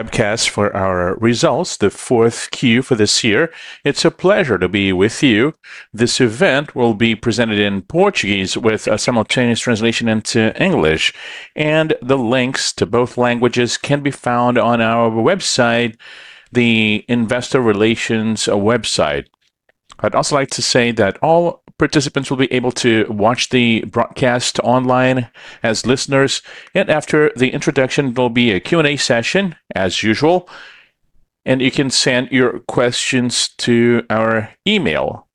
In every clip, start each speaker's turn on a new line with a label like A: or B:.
A: Webcast for our results, the fourth Q for this year. It's a pleasure to be with you. This event will be presented in Portuguese with a simultaneous translation into English. The links to both languages can be found on our website, the Investor Relations website. I'd also like to say that all participants will be able to watch the broadcast online as listeners. After the introduction, there'll be a Q&A session as usual. You can send your questions to our email.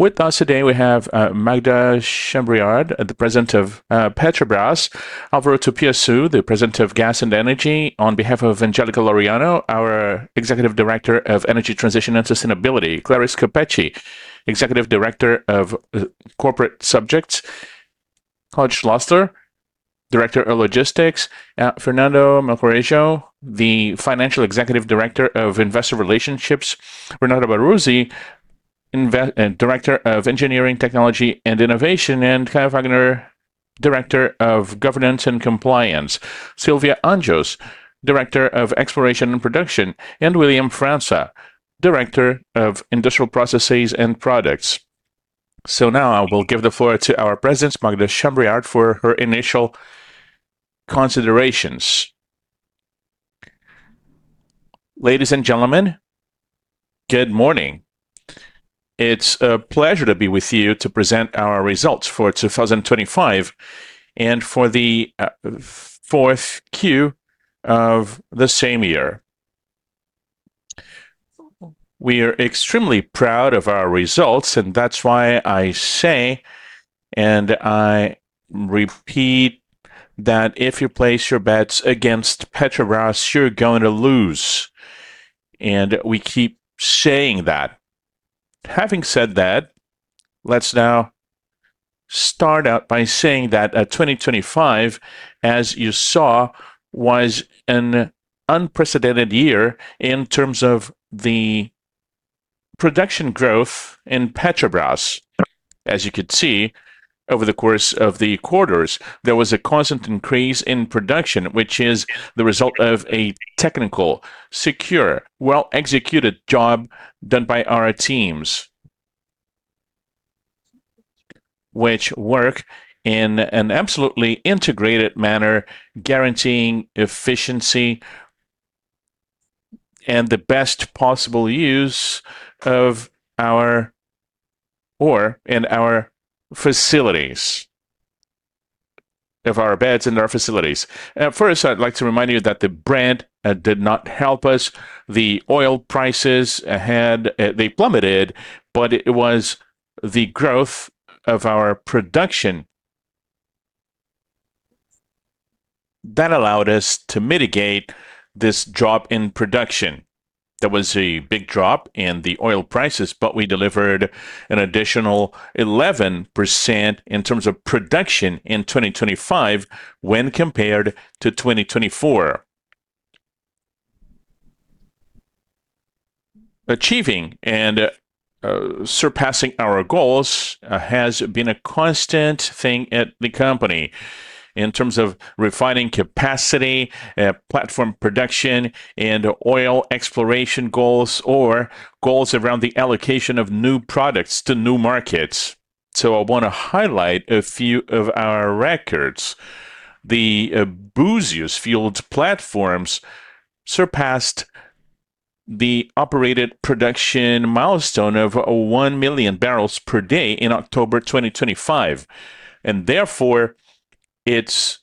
A: With us today, we have Magda Chambriard, President of Petrobras, Álvaro Tupiassú, President of Gas and Energy, on behalf of Angélica Laureano, our Executive Director of Energy Transition and Sustainability, Clarice Coppetti, Executive Director of Corporate Subjects, Claudio Schlosser, Director of Logistics, Fernando Melgarejo, Financial Executive Director of Investor Relations, Renata Baruzzi, Director of Engineering, Technology and Innovation, Ricardo Wagner, Director of Governance and Compliance, Sylvia Anjos, Director of Exploration and Production, and William França, Director of Industrial Processes and Products. Now I will give the floor to our President, Magda Chambriard, for her initial considerations.
B: Ladies and gentlemen, good morning. It's a pleasure to be with you to present our results for 2025, and for the 4Q of the same year. We are extremely proud of our results. That's why I say, and I repeat, that if you place your bets against Petrobras, you're going to lose. We keep saying that. Having said that, let's now start out by saying that 2025, as you saw, was an unprecedented year in terms of the production growth in Petrobras. As you could see, over the course of the quarters, there was a constant increase in production, which is the result of a technical, secure, well-executed job done by our teams, which work in an absolutely integrated manner, guaranteeing efficiency and the best possible use of our ore in our facilities, of our beds in our facilities. First, I'd like to remind you that the brand did not help us. The oil prices had, they plummeted, but it was the growth of our production that allowed us to mitigate this drop in production. There was a big drop in the oil prices, but we delivered an additional 11% in terms of production in 2025 when compared to 2024. Achieving and surpassing our goals has been a constant thing at the company in terms of refining capacity, platform production, and oil exploration goals, or goals around the allocation of new products to new markets. I wanna highlight a few of our records. The Búzios field platforms surpassed the operated production milestone of 1 million barrels per day in October 2025, and therefore, it's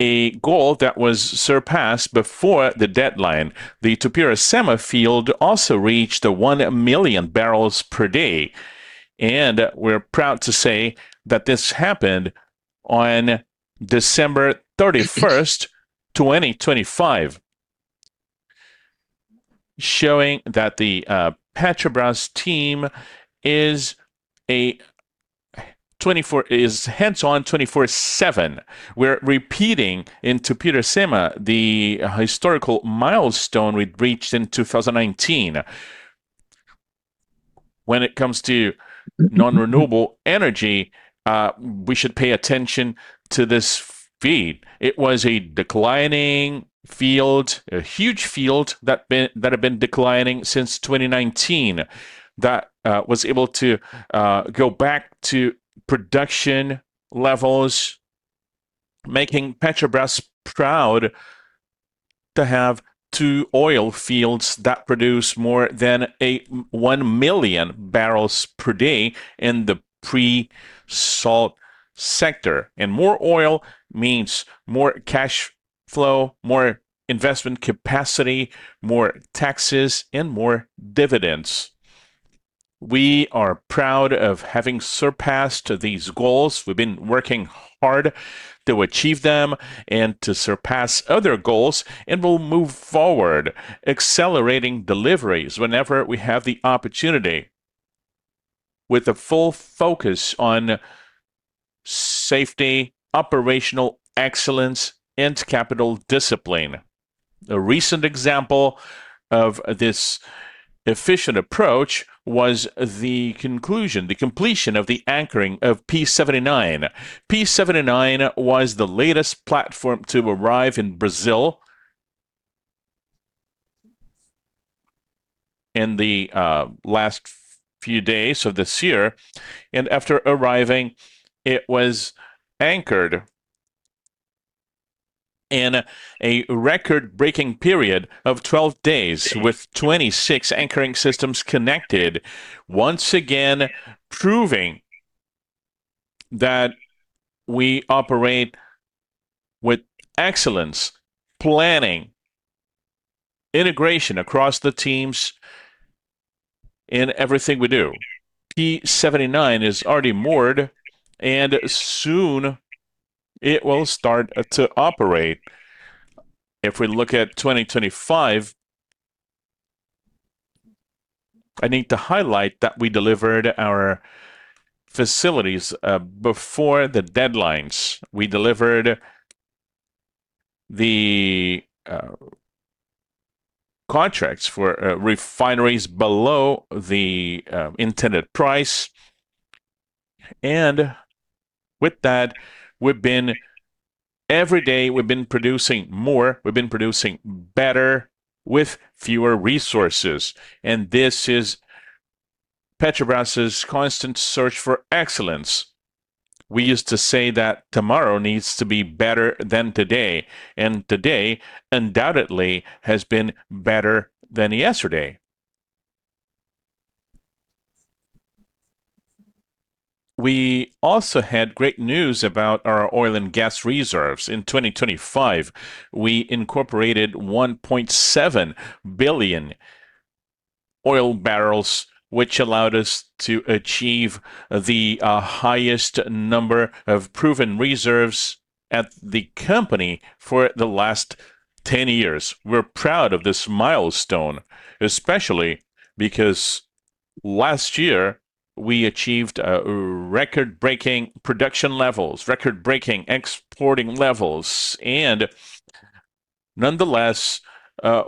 B: a goal that was surpassed before the deadline. The Tupi/Iracema field also reached 1 million barrels per day. We're proud to say that this happened on December 31st, 2025, showing that the Petrobras team is hands-on 24/7. We're repeating in Tupi and Iracema the historical milestone we reached in 2019. When it comes to non-renewable energy, we should pay attention to this field. It was a declining field, a huge field that had been declining since 2019, that was able to go back to production levels, making Petrobras proud to have two oil fields that produce more than 1 million barrels per day in the pre-salt sector. More oil means more cash flow, more investment capacity, more taxes, and more dividends. We are proud of having surpassed these goals. We've been working hard to achieve them and to surpass other goals. We'll move forward, accelerating deliveries whenever we have the opportunity with a full focus on safety, operational excellence, and capital discipline. A recent example of this efficient approach was the completion of the anchoring of P-79. P-79 was the latest platform to arrive in Brazil in the last few days of this year. After arriving, it was anchored in a record-breaking period of 12 days with 26 anchoring systems connected, once again proving that we operate with excellence, planning, integration across the teams in everything we do. P-79 is already moored. Soon it will start to operate. If we look at 2025, I need to highlight that we delivered our facilities before the deadlines. We delivered the contracts for refineries below the intended price. Every day, we've been producing more, we've been producing better with fewer resources, and this is Petrobras' constant search for excellence. We used to say that tomorrow needs to be better than today. Today undoubtedly has been better than yesterday. We also had great news about our oil and gas reserves. In 2025, we incorporated 1.7 billion oil barrels, which allowed us to achieve the highest number of proven reserves at the company for the last 10 years. We're proud of this milestone, especially because last year we achieved record-breaking production levels, record-breaking exporting levels. Nonetheless,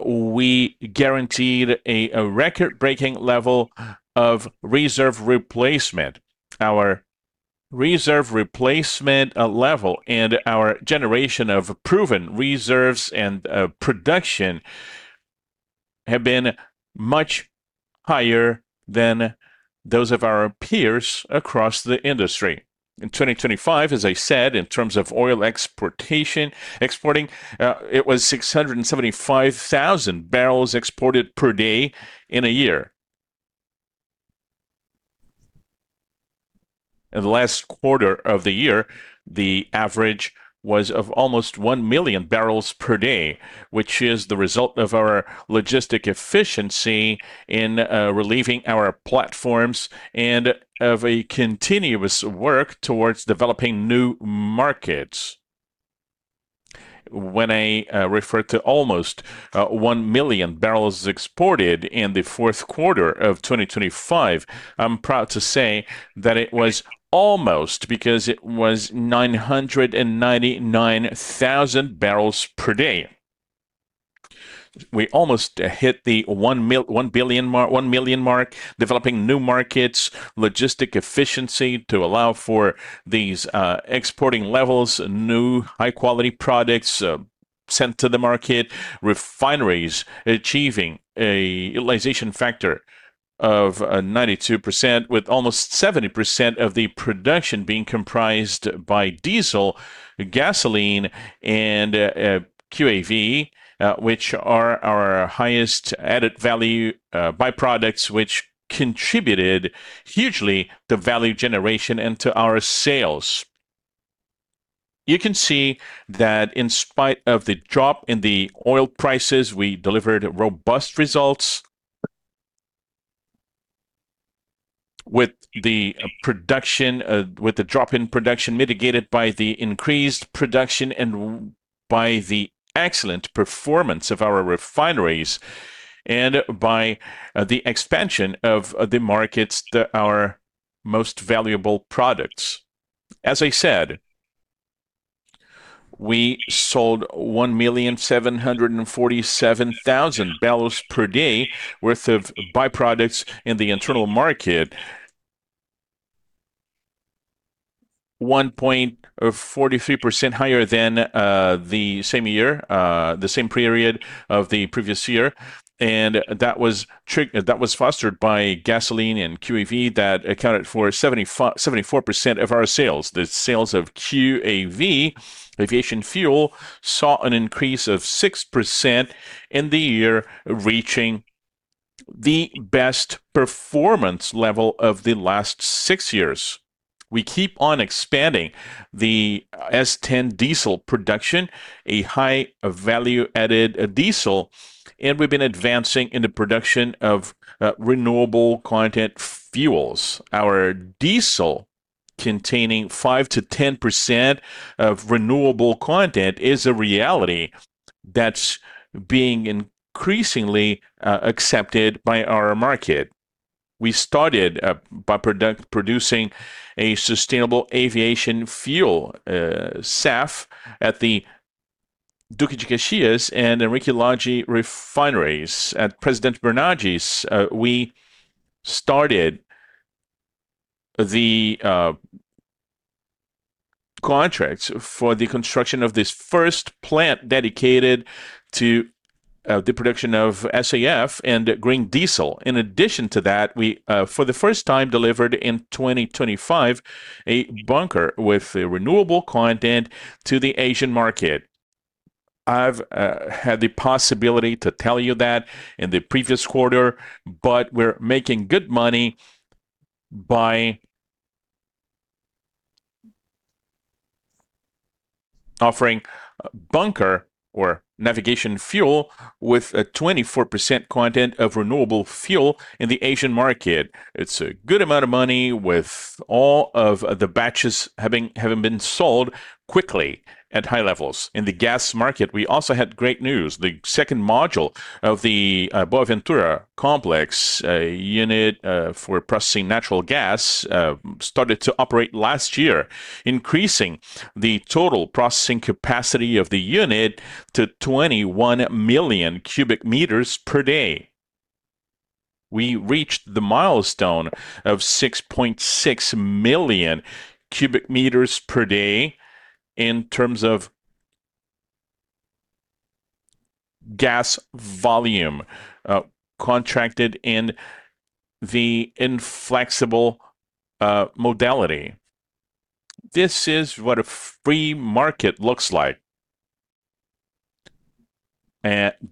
B: we guaranteed a record-breaking level of reserve replacement. Our reserve replacement level and our generation of proven reserves and production have been much higher than those of our peers across the industry. In 2025, as I said, in terms of oil exportation, exporting, it was 675,000 barrels exported per day in a year. In the last quarter of the year, the average was of almost 1 million barrels per day, which is the result of our logistic efficiency in relieving our platforms and of a continuous work towards developing new markets. When I refer to almost 1 million barrels exported in the fourth quarter of 2025, I'm proud to say that it was almost because it was 999,000 barrels per day. We almost hit the one million mark, developing new markets, logistic efficiency to allow for these exporting levels, new high-quality products sent to the market, refineries achieving a utilization factor of 92% with almost 70% of the production being comprised by diesel, gasoline, and QAV, which are our highest added value byproducts, which contributed hugely to value generation and to our sales. You can see that in spite of the drop in the oil prices, we delivered robust results with the production, with the drop in production mitigated by the increased production and by the excellent performance of our refineries and by the expansion of the markets that our most valuable products. As I said, we sold 1,747,000 barrels per day worth of byproducts in the internal market, 1.43% higher than the same year, the same period of the previous year, that was fostered by gasoline and QAV that accounted for 74% of our sales. The sales of QAV aviation fuel saw an increase of 6% in the year, reaching the best performance level of the last six years. We keep on expanding the Diesel S10 production, a high value-added diesel, and we've been advancing in the production of renewable content fuels. Our diesel containing 5%-10% of renewable content is a reality that's being increasingly accepted by our market. We started by producing a sustainable aviation fuel, SAF, at the Duque de Caxias and Henrique Lage refineries. At Presidente Bernardes, we started the contracts for the construction of this first plant dedicated to the production of SAF and green diesel. In addition to that, we, for the first time, delivered in 2025, a bunker with a renewable content to the Asian market. I've had the possibility to tell you that in the previous quarter, but we're making good money by offering bunker or navigation fuel with a 24% content of renewable fuel in the Asian market. It's a good amount of money with all of the batches having been sold quickly at high levels. In the gas market, we also had great news. The second module of the Boaventura complex, a unit for processing natural gas, started to operate last year, increasing the total processing capacity of the unit to 21 million cubic meters per day. We reached the milestone of 6.6 million cubic meters per day in terms of gas volume contracted in the inflexible modality. This is what a free market looks like.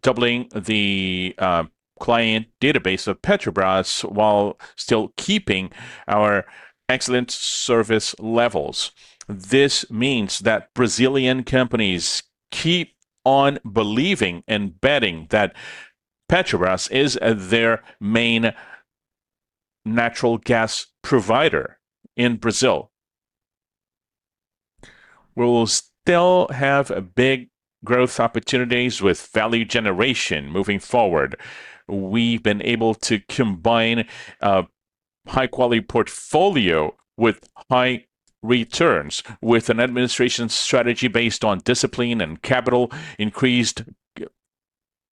B: Doubling the client database of Petrobras while still keeping our excellent service levels. This means that Brazilian companies keep on believing and betting that Petrobras is their main natural gas provider in Brazil. We will still have big growth opportunities with value generation moving forward. We've been able to combine a high-quality portfolio with high returns, with an administration strategy based on discipline and capital, increased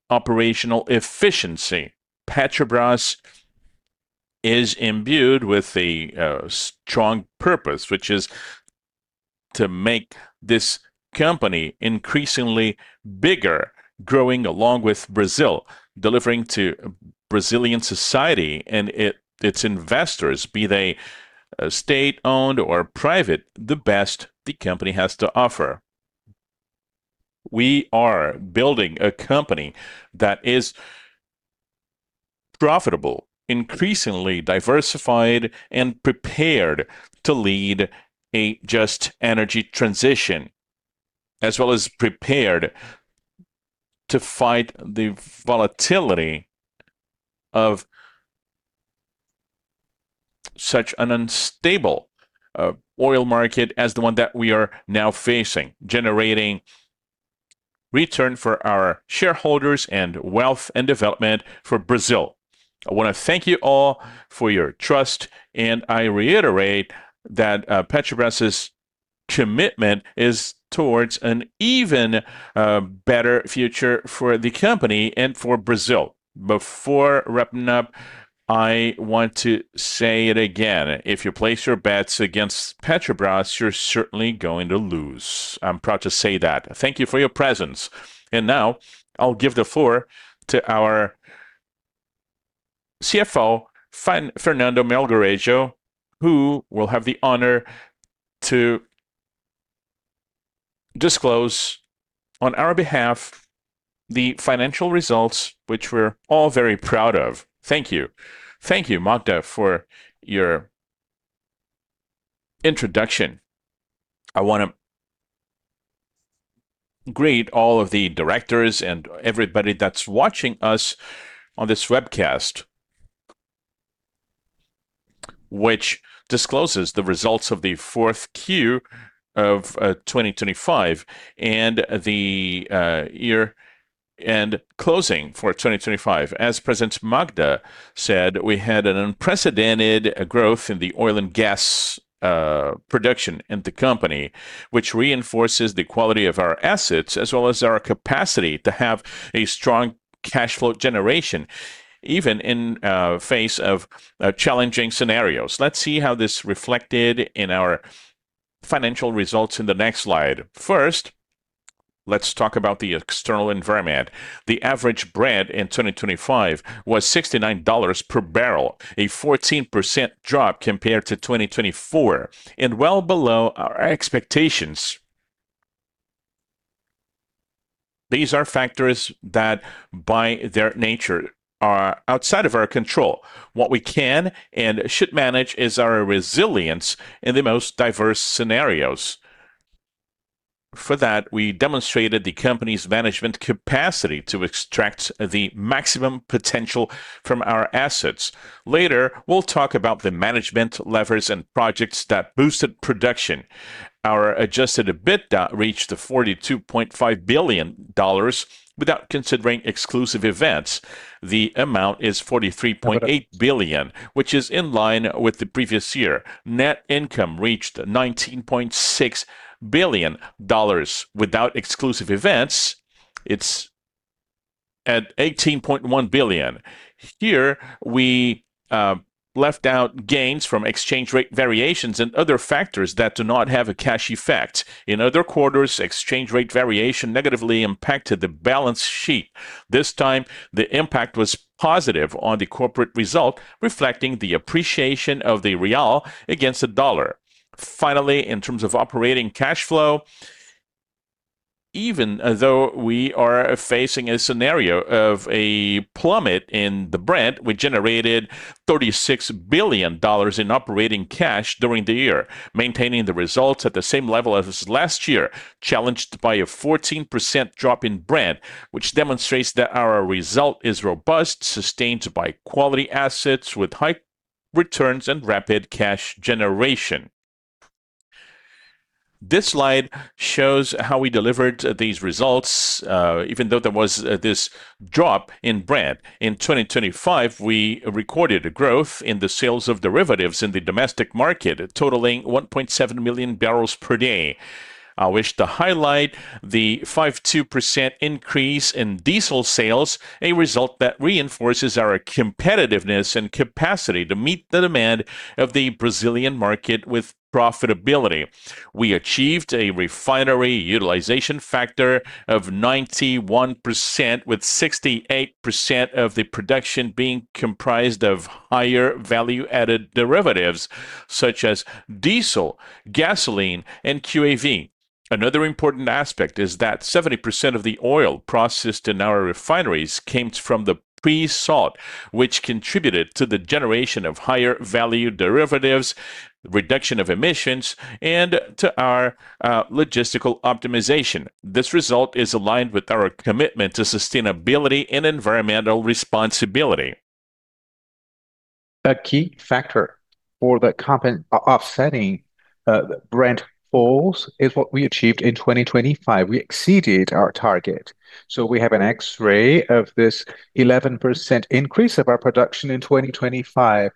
B: operational efficiency. Petrobras is imbued with a strong purpose, which is to make this company increasingly bigger, growing along with Brazil, delivering to Brazilian society and its investors, be they state-owned or private, the best the company has to offer. We are building a company that is profitable, increasingly diversified, and prepared to lead a just energy transition, as well as prepared to fight the volatility of such an unstable oil market as the one that we are now facing, generating return for our shareholders and wealth and development for Brazil. I wanna thank you all for your trust. I reiterate that Petrobras' commitment is towards an even better future for the company and for Brazil. Before wrapping up, I want to say it again, if you place your bets against Petrobras, you're certainly going to lose. I'm proud to say that. Thank you for your presence. Now, I'll give the floor to our CFO, Fernando Melgarejo, who will have the honor to disclose on our behalf the financial results, which we're all very proud of. Thank you.
C: Thank you, Magda, for your introduction. I wanna greet all of the directors and everybody that's watching us on this webcast, which discloses the results of the fourth Q of 2025 and the year-end closing for 2025. As President Magda said, we had an unprecedented growth in the oil and gas production in the company, which reinforces the quality of our assets as well as our capacity to have a strong cash flow generation, even in face of challenging scenarios. Let's see how this reflected in our financial results in the next slide. First, let's talk about the external environment. The average Brent in 2025 was $69 per barrel, a 14% drop compared to 2024 and well below our expectations. These are factors that, by their nature, are outside of our control. What we can and should manage is our resilience in the most diverse scenarios We demonstrated the company's management capacity to extract the maximum potential from our assets. Later, we'll talk about the management levers and projects that boosted production. Our adjusted EBITDA reached $42.5 billion without considering exclusive events. The amount is $43.8 billion, which is in line with the previous year. Net income reached $19.6 billion. Without exclusive events, it's at $18.1 billion. Here, we left out gains from exchange rate variations and other factors that do not have a cash effect. In other quarters, exchange rate variation negatively impacted the balance sheet. This time, the impact was positive on the corporate result, reflecting the appreciation of the real against the dollar. Finally, in terms of operating cash flow, even though we are facing a scenario of a plummet in the Brent, we generated $36 billion in operating cash during the year, maintaining the results at the same level as last year, challenged by a 14% drop in Brent, which demonstrates that our result is robust, sustained by quality assets with high returns and rapid cash generation. This slide shows how we delivered these results, even though there was this drop in Brent. In 2025, we recorded a growth in the sales of derivatives in the domestic market, totaling 1.7 million barrels per day. I wish to highlight the 52% increase in diesel sales, a result that reinforces our competitiveness and capacity to meet the demand of the Brazilian market with profitability. We achieved a refinery utilization factor of 91%, with 68% of the production being comprised of higher value-added derivatives such as Diesel, gasoline, and QAV. Another important aspect is that 70% of the oil processed in our refineries came from the pre-salt, which contributed to the generation of higher value derivatives, reduction of emissions, and to our logistical optimization. This result is aligned with our commitment to sustainability and environmental responsibility. A key factor for offsetting Brent falls is what we achieved in 2025. We exceeded our target. We have an X-ray of this 11% increase of our production in 2025,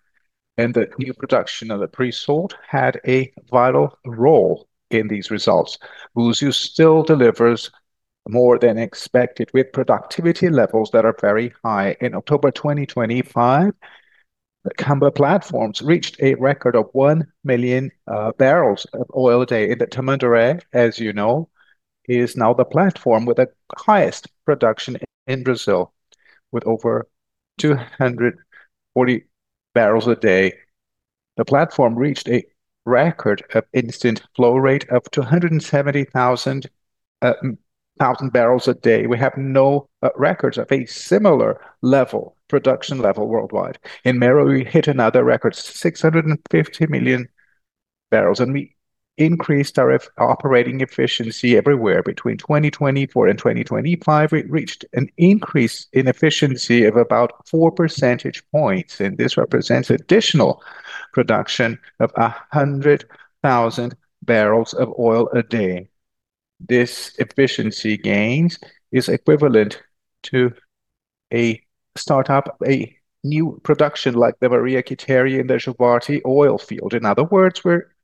C: and the new production of the pre-salt had a vital role in these results. Búzios still delivers more than expected with productivity levels that are very high. In October 2025, the Búzios platforms reached a record of 1 million barrels of oil a day. The Tamandaré, as you know, is now the platform with the highest production in Brazil, with over 240,000 barrels a day. The platform reached a record of instant flow rate of 270,000 barrels a day. We have no records of a similar production level worldwide. In Mero, we hit another record, 650 million barrels, and we increased our operating efficiency everywhere. Between 2024 and 2025, we reached an increase in efficiency of about 4 percentage points, this represents additional production of 100,000 barrels of oil a day. This efficiency gains is equivalent to a startup, a new production like the Maria Quitéria and the Jubarte oil field. In other words, we're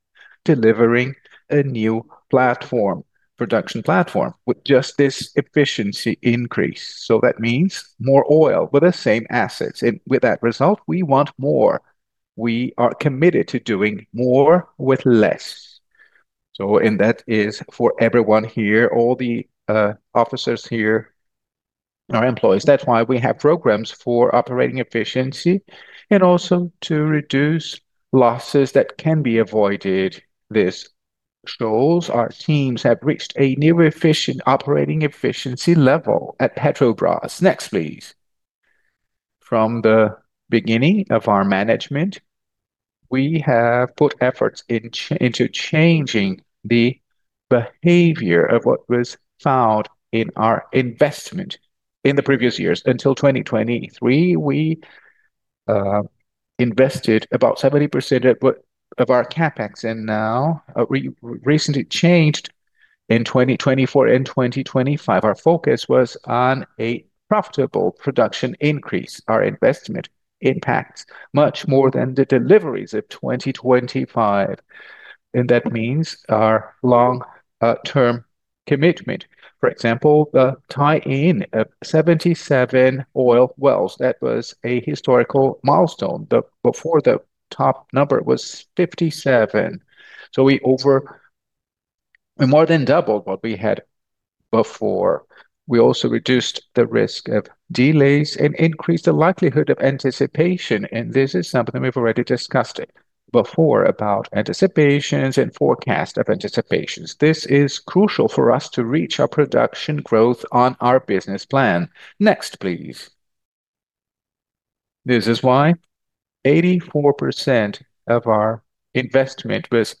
C: delivering a new platform, production platform with just this efficiency increase. That means more oil with the same assets. With that result, we want more. We are committed to doing more with less. That is for everyone here, all the officers here, our employees. That's why we have programs for operating efficiency and also to reduce losses that can be avoided. This shows our teams have reached a new efficient operating efficiency level at Petrobras. Next, please. From the beginning of our management, we have put efforts into changing the behavior of what was found in our investment in the previous years. Until 2023, we invested about 70% of what, of our CapEx, and now we recently changed in 2024 and 2025. Our focus was on a profitable production increase. Our investment impacts much more than the deliveries of 2025. That means our long-term commitment. For example, the tie-in of 77 oil wells, that was a historical milestone. Before the top number was 57. We more than doubled what we had before. We also reduced the risk of delays and increased the likelihood of anticipation. This is something we've already discussed it before about anticipations and forecast of anticipations. This is crucial for us to reach our production growth on our business plan. Next, please. This is why 84% of our investment was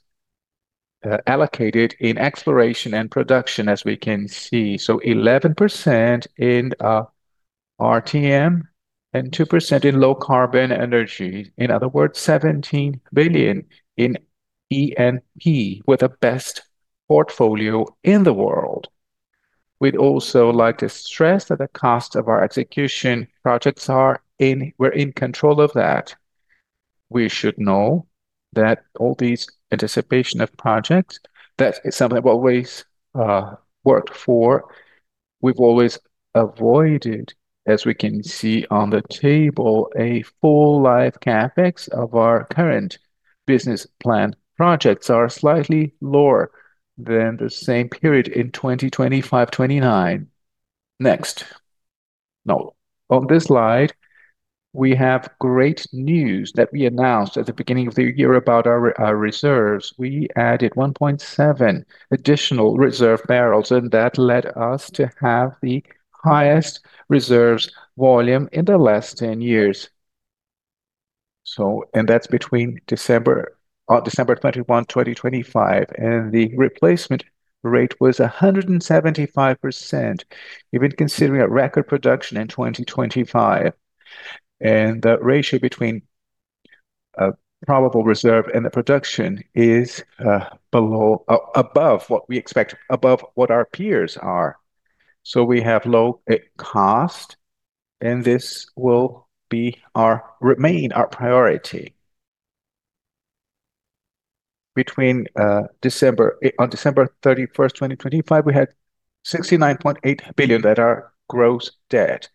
C: allocated in exploration and production, as we can see. 11% in RTM and 2% in low-carbon energy. In other words, $17 billion in E&P with the best portfolio in the world. We'd also like to stress that the cost of our execution projects. We're in control of that. We should know that all these anticipation of projects, that is something I've always worked for. We've always avoided, as we can see on the table, a full live CapEx of our current business plan. Projects are slightly lower than the same period in 2025, 2029. Next. On this slide, we have great news that we announced at the beginning of the year about our reserves. We added 1.7 additional reserve barrels, that led us to have the highest reserves volume in the last 10 years. That's between December 31, 2025, and the replacement rate was 175%, even considering a record production in 2025. The ratio between probable reserve and the production is above what we expect, above what our peers are. We have low cost, and this will remain our priority. On December 31st, 2025, we had $69.8 billion that are gross debt.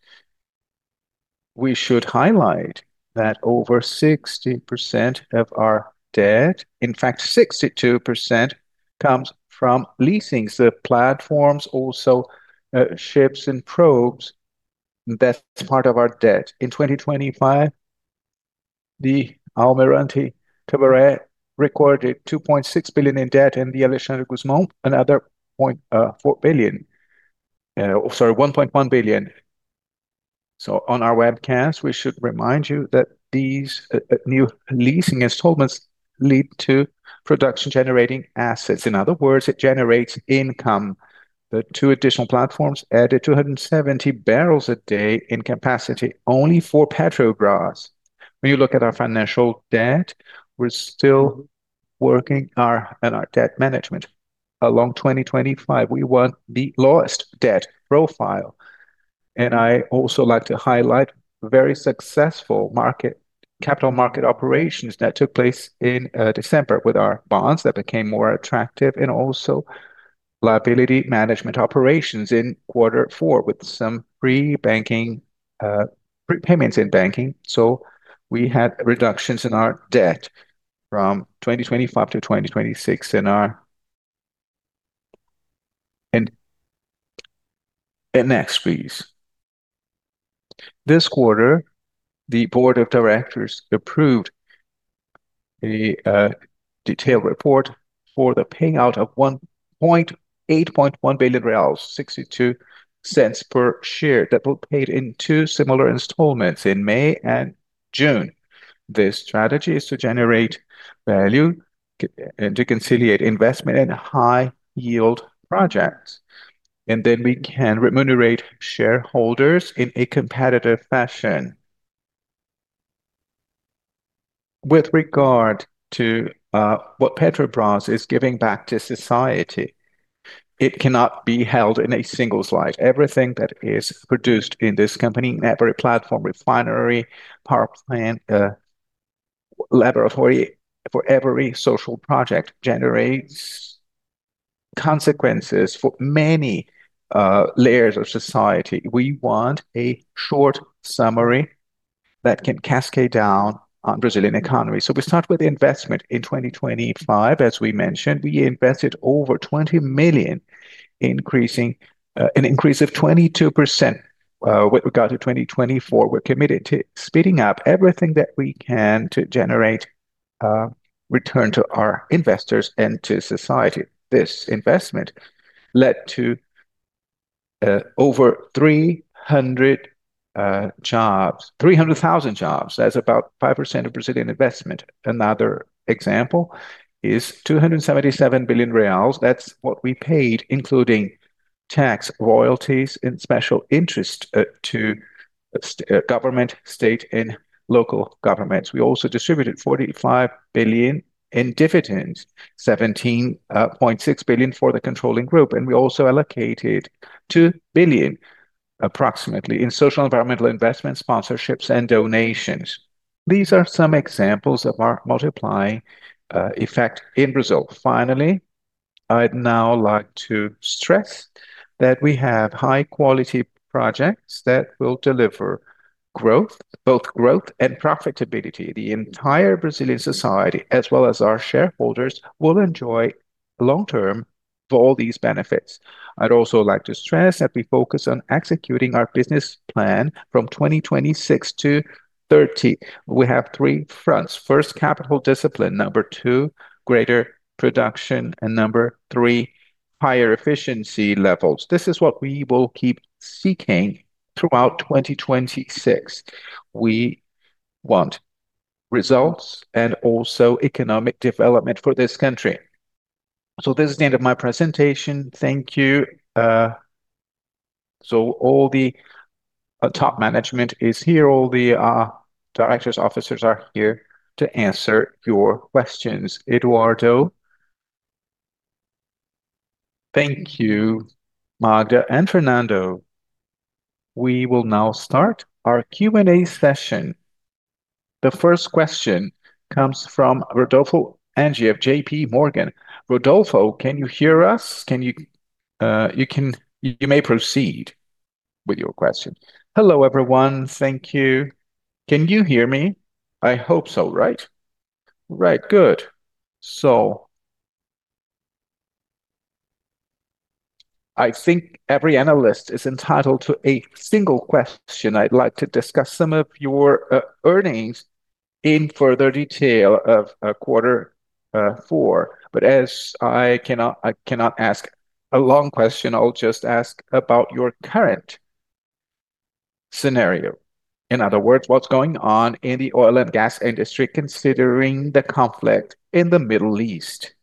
C: We should highlight that over 60% of our debt, in fact, 62% comes from leasing. Platforms, also, ships and probes, that's part of our debt. In 2025, the Almirante Tamandaré recorded $2.6 billion in debt and the Alexandre de Gusmão another $1.1 billion. On our webcast, we should remind you that these new leasing installments lead to production-generating assets. In other words, it generates income. The two additional platforms added 270,000 barrels a day in capacity, only for Petrobras. When you look at our financial debt, we're still working on our debt management. Along 2025, we want the lowest debt profile. I also like to highlight very successful capital market operations that took place in December with our bonds that became more attractive and also liability management operations in quarter four with some pre-payments in banking. We had reductions in our debt from 2025 to 2026. Next, please. This quarter, the board of directors approved a detailed report for the paying out of 1.81 billion reais, 0.62 per share that were paid in two similar installments in May and June. This strategy is to generate value and to conciliate investment in high-yield projects. We can remunerate shareholders in a competitive fashion. With regard to what Petrobras is giving back to society, it cannot be held in a single slide. Everything that is produced in this company, in every platform, refinery, power plant, laboratory, for every social project generates consequences for many layers of society. We want a short summary that can cascade down on Brazilian economy. We start with the investment in 2025. As we mentioned, we invested over $20 million, increasing an increase of 22% with regard to 2024. We're committed to speeding up everything that we can to generate return to our investors and to society. This investment led to over 300,000 jobs. That's about 5% of Brazilian investment. Another example is 277 billion reais. That's what we paid, including tax royalties and special interest, to government, state, and local governments. We also distributed 45 billion in dividends, 17.6 billion for the controlling group, and we also allocated 2 billion approximately in social and environmental investments, sponsorships, and donations. These are some examples of our multiplying effect in Brazil. I'd now like to stress that we have high-quality projects that will deliver growth, both growth and profitability. The entire Brazilian society, as well as our shareholders, will enjoy long-term all these benefits. I'd also like to stress that we focus on executing our business plan from 2026-2030. We have three fronts. First, capital discipline. Number two, greater production. Number three, higher efficiency levels. This is what we will keep seeking throughout 2026. We want Results and also economic development for this country. This is the end of my presentation. Thank you. All the top management is here, all the directors, officers are here to answer your questions. Eduardo.
A: Thank you, Magda and Fernando. We will now start our Q&A session. The first question comes from Rodolfo De Angele of JPMorgan Chase & Co. Rodolfo, can you hear us? You may proceed with your question.
D: Hello, everyone. Thank you. Can you hear me? I hope so, right? Right. Good. I think every analyst is entitled to a single question. I'd like to discuss some of your earnings in further detail of Q4. As I cannot ask a long question, I'll just ask about your current scenario. In other words, what's going on in the oil and gas industry, considering the conflict in the Middle East.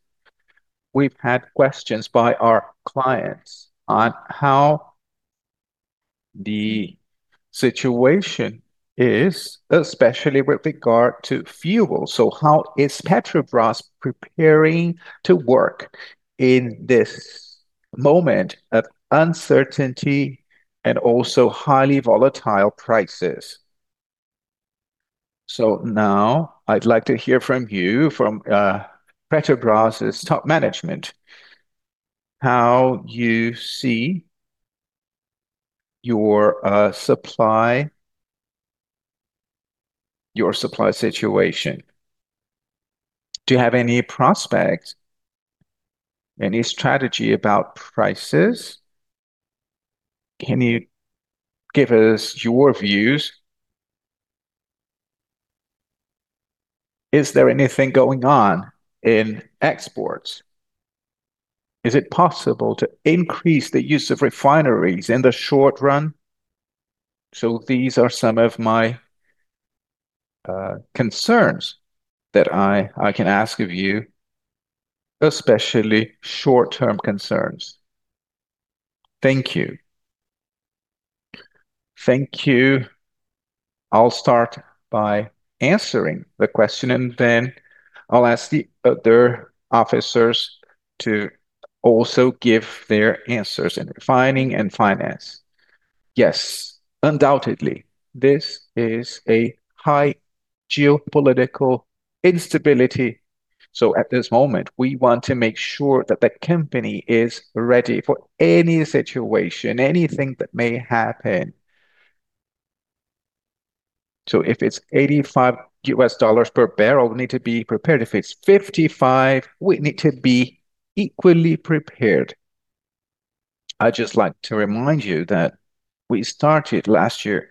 D: We've had questions by our clients on how the situation is, especially with regard to fuel. How is Petrobras preparing to work in this moment of uncertainty and also highly volatile prices? Now I'd like to hear from you, from Petrobras' top management, how you see your supply, your supply situation. Do you have any prospect, any strategy about prices? Can you give us your views? Is there anything going on in exports? Is it possible to increase the use of refineries in the short run? These are some of my concerns that I can ask of you, especially short-term concerns. Thank you. Thank you.
B: I'll start by answering the question, then I'll ask the other officers to also give their answers in refining and finance. Yes, undoubtedly, this is a high geopolitical instability. At this moment, we want to make sure that the company is ready for any situation, anything that may happen. If it's $85 per barrel, we need to be prepared. If it's $55, we need to be equally prepared. I'd just like to remind you that we started last year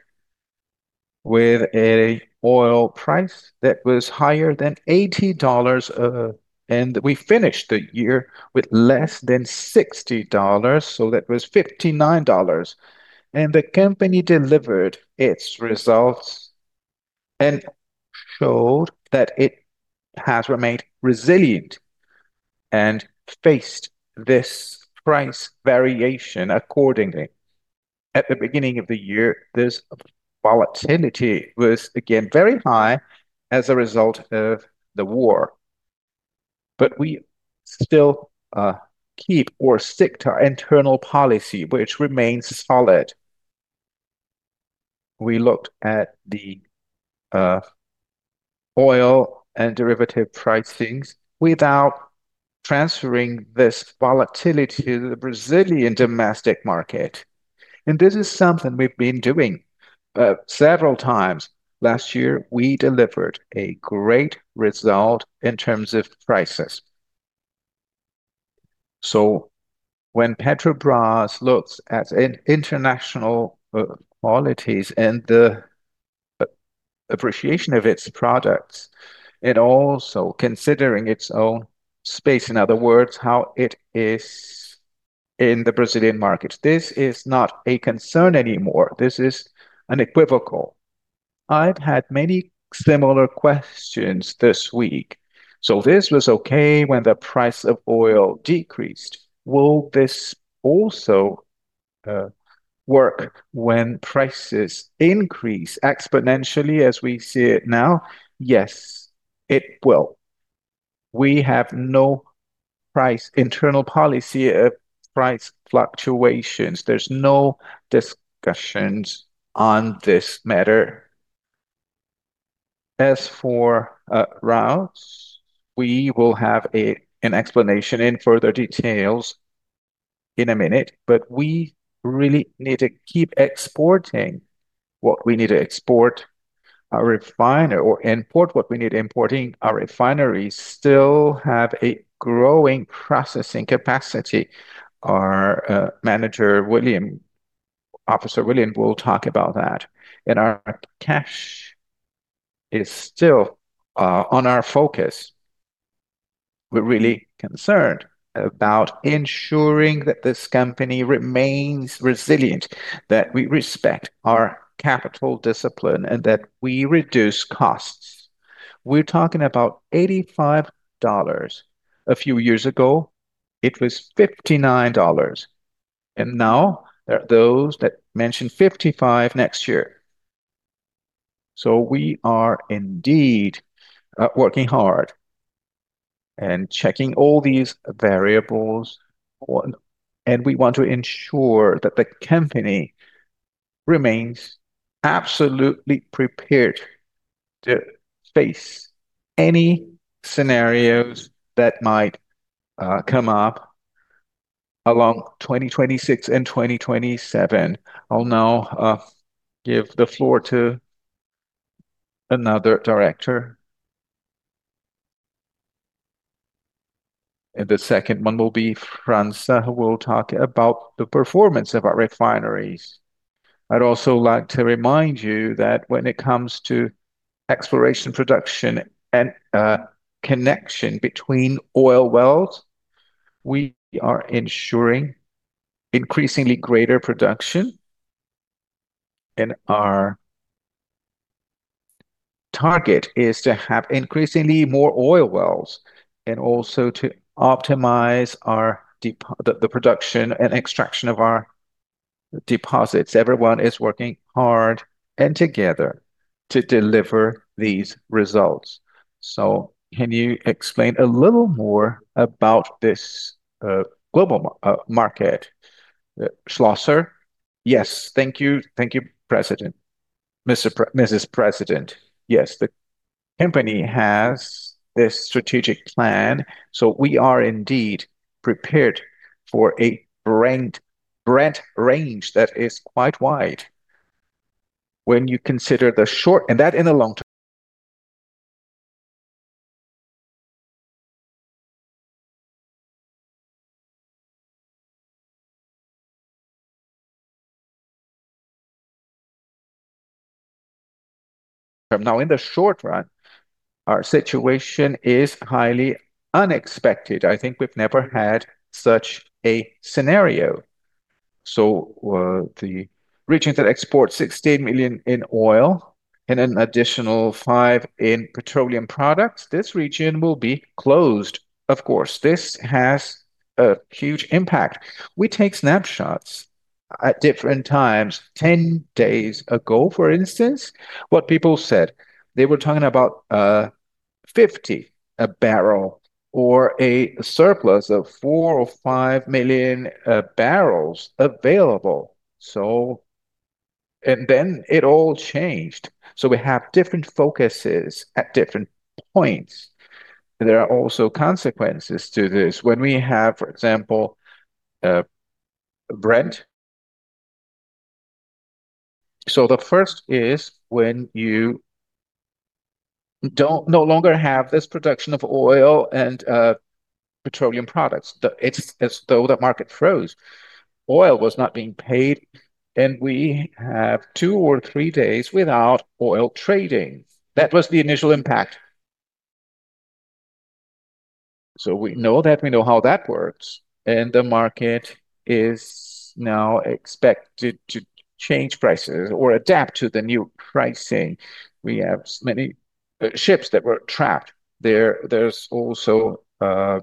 B: with a oil price that was higher than $80, we finished the year with less than $60, that was $59. The company delivered its results and showed that it has remained resilient and faced this price variation accordingly. At the beginning of the year, this volatility was again very high as a result of the war. We still keep or stick to our internal policy, which remains solid. We looked at the oil and derivative price things without transferring this volatility to the Brazilian domestic market. This is something we've been doing several times. Last year, we delivered a great result in terms of prices. When Petrobras looks at international qualities and the appreciation of its products, it also considering its own space. In other words, how it is in the Brazilian market. This is not a concern anymore. This is an equivocal. I've had many similar questions this week. This was okay when the price of oil decreased. Will this also work when prices increase exponentially as we see it now? Yes, it will. We have no price, internal policy of price fluctuations. There's no discussions on this matter. As for routes, we will have an explanation in further details in a minute. We really need to keep exporting what we need to export, our refiner, or import what we need importing. Our refineries still have a growing processing capacity. Our Officer William, will talk about that. Our cash is still on our focus. We're really concerned about ensuring that this company remains resilient, that we respect our capital discipline, and that we reduce costs. We're talking about $85. A few years ago, it was $59. Now there are those that mention $55 next year. We are indeed working hard and checking all these variables, and we want to ensure that the company remains absolutely prepared to face any scenarios that might come up along 2026 and 2027. I'll now give the floor to another director. The second one will be França, who will talk about the performance of our refineries. I'd also like to remind you that when it comes to exploration, production, and connection between oil wells, we are ensuring increasingly greater production. Our target is to have increasingly more oil wells and also to optimize the production and extraction of our deposits. Everyone is working hard and together to deliver these results. Can you explain a little more about this global market, Schlosser?
E: Yes. Thank you. Thank you, Mrs. President. The company has this strategic plan, we are indeed prepared for a Brent range that is quite wide when you consider the short and that in the long term. In the short run, our situation is highly unexpected. I think we've never had such a scenario. The regions that export 16 million in oil and an additional 5 millions barrel in petroleum products, this region will be closed. Of course, this has a huge impact. We take snapshots at different times. 10 days ago, for instance, what people said, they were talking about $50 a barrel or a surplus of 4 or 5 million barrels available. Then it all changed. We have different focuses at different points. There are also consequences to this. When we have, for example, Brent. The first is when you don't no longer have this production of oil and petroleum products. It's as though the market froze. Oil was not being paid, and we have two or three days without oil trading. That was the initial impact. We know that, we know how that works, the market is now expected to change prices or adapt to the new pricing. We have many ships that were trapped there. There's also a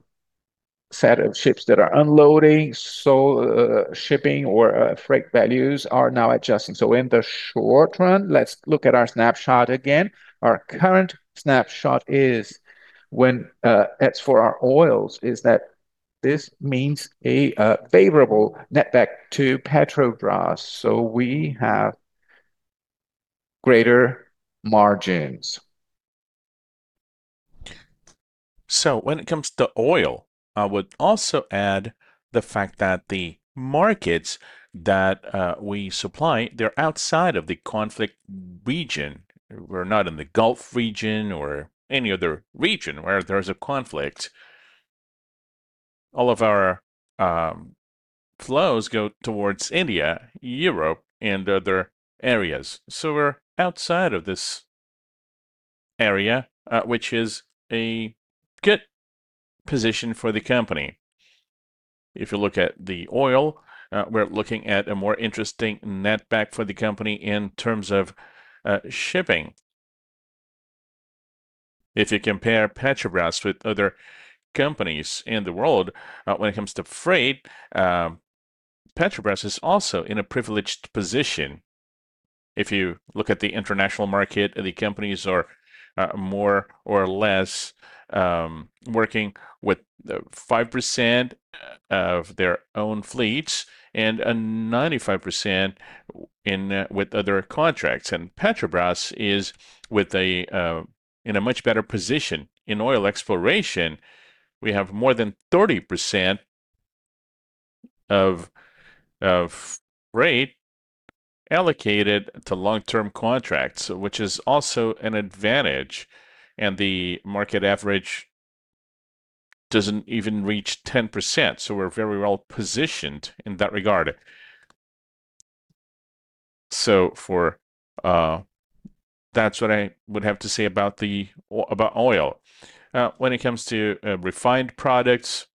E: set of ships that are unloading, shipping or freight values are now adjusting. In the short run, let's look at our snapshot again. Our current snapshot is when, as for our oils, this means a favorable netback to Petrobras. We have greater margins. When it comes to oil, I would also add the fact that the markets that we supply, they're outside of the conflict region. We're not in the Gulf region or any other region where there's a conflict. All of our flows go towards India, Europe and other areas. We're outside of this area, which is a good position for the company. If you look at the oil, we're looking at a more interesting netback for the company in terms of shipping. If you compare Petrobras with other companies in the world, when it comes to freight, Petrobras is also in a privileged position. If you look at the international market, the companies are more or less working with 5% of their own fleets and 95% in with other contracts. Petrobras is with a in a much better position. In oil exploration, we have more than 30% of freight allocated to long-term contracts, which is also an advantage, and the market average doesn't even reach 10%. We're very well-positioned in that regard. That's what I would have to say about oil. When it comes to refined products,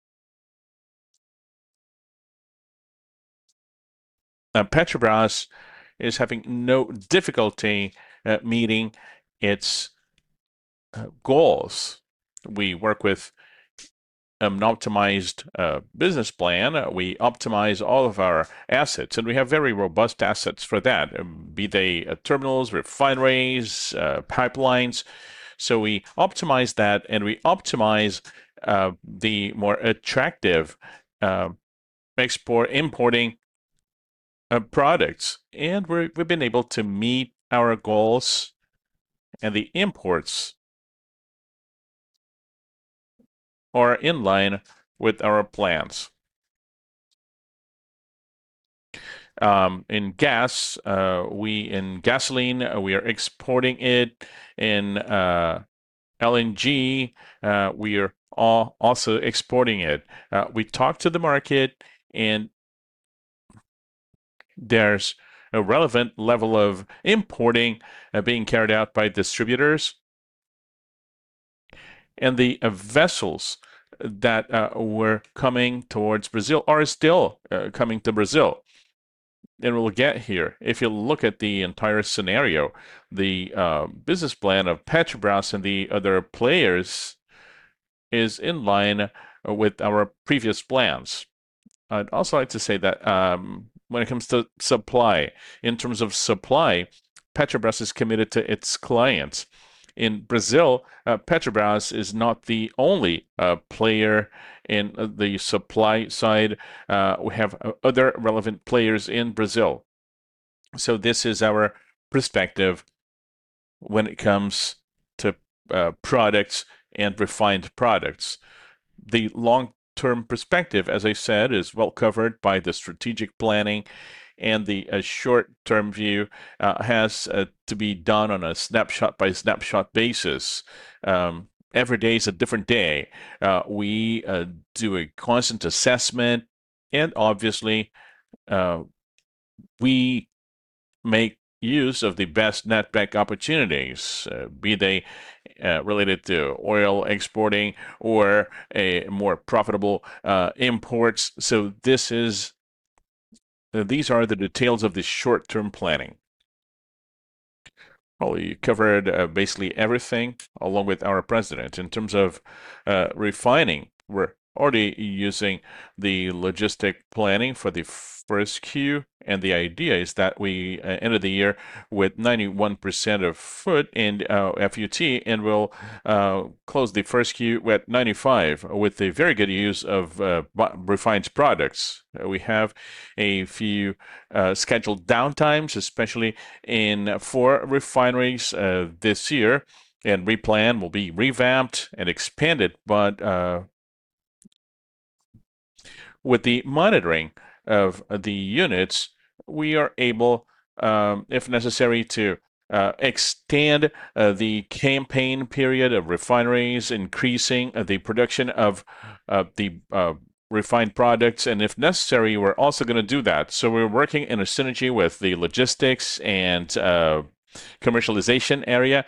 E: Petrobras is having no difficulty meeting its goals. We work with an optimized business plan. We optimize all of our assets, and we have very robust assets for that, be they terminals, refineries, pipelines. We optimize that, and we optimize the more attractive export, importing of products. We've been able to meet our goals, and the imports are in line with our plans. In gas, in gasoline, we are exporting it. In LNG, we are also exporting it. We talk to the market, and there's a relevant level of importing being carried out by distributors. The vessels that were coming towards Brazil are still coming to Brazil. It will get here. If you look at the entire scenario, the business plan of Petrobras and the other players is in line with our previous plans. I'd also like to say that, when it comes to supply, in terms of supply, Petrobras is committed to its clients. In Brazil, Petrobras is not the only player in the supply side. We have other relevant players in Brazil. This is our perspective when it comes to products and refined products. The long-term perspective, as I said, is well-covered by the strategic planning, and the short-term view has to be done on a snapshot by snapshot basis. Every day is a different day.
F: We do a constant assessment and obviously, we make use of the best netback opportunities, be they related to oil exporting or a more profitable imports. These are the details of the short-term planning. We covered basically everything along with our president. In terms of refining, we're already using the logistic planning for the first Q. The idea is that we end the year with 91% of FUT in our FUT, and we'll close the first Q at 95% with a very good use of refined products. We have a few scheduled downtimes, especially in four refineries this year, and Replan will be revamped and expanded. With the monitoring of the units, we are able, if necessary, to extend the campaign period of refineries, increasing the production of the refined products, and if necessary, we're also gonna do that. We're working in a synergy with the logistics and commercialization area.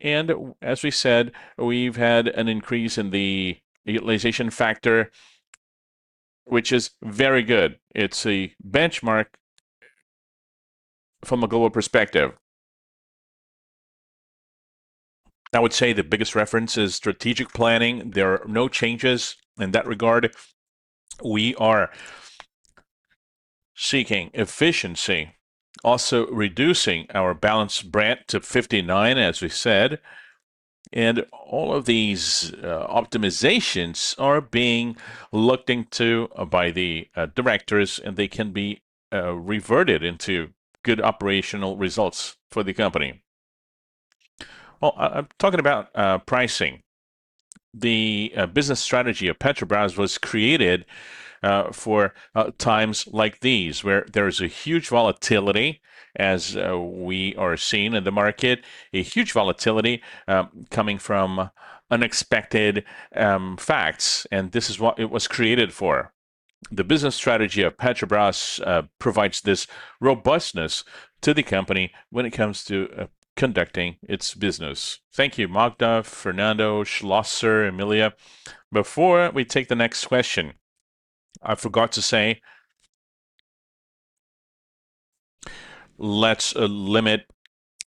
F: As we said, we've had an increase in the utilization factor, which is very good. It's a benchmark from a global perspective. I would say the biggest reference is strategic planning. There are no changes in that regard. We are seeking efficiency, also reducing our average Brent to 59, as we said. All of these optimizations are being looked into by the directors, and they can be reverted into good operational results for the company. Talking about pricing.
E: The business strategy of Petrobras was created for times like these, where there is a huge volatility, as we are seeing in the market. A huge volatility, coming from unexpected facts, this is what it was created for. The business strategy of Petrobras provides this robustness to the company when it comes to conducting its business.
A: Thank you, Magda, Fernando, Schlosser, Sylvia. Before we take the next question, I forgot to say, let's limit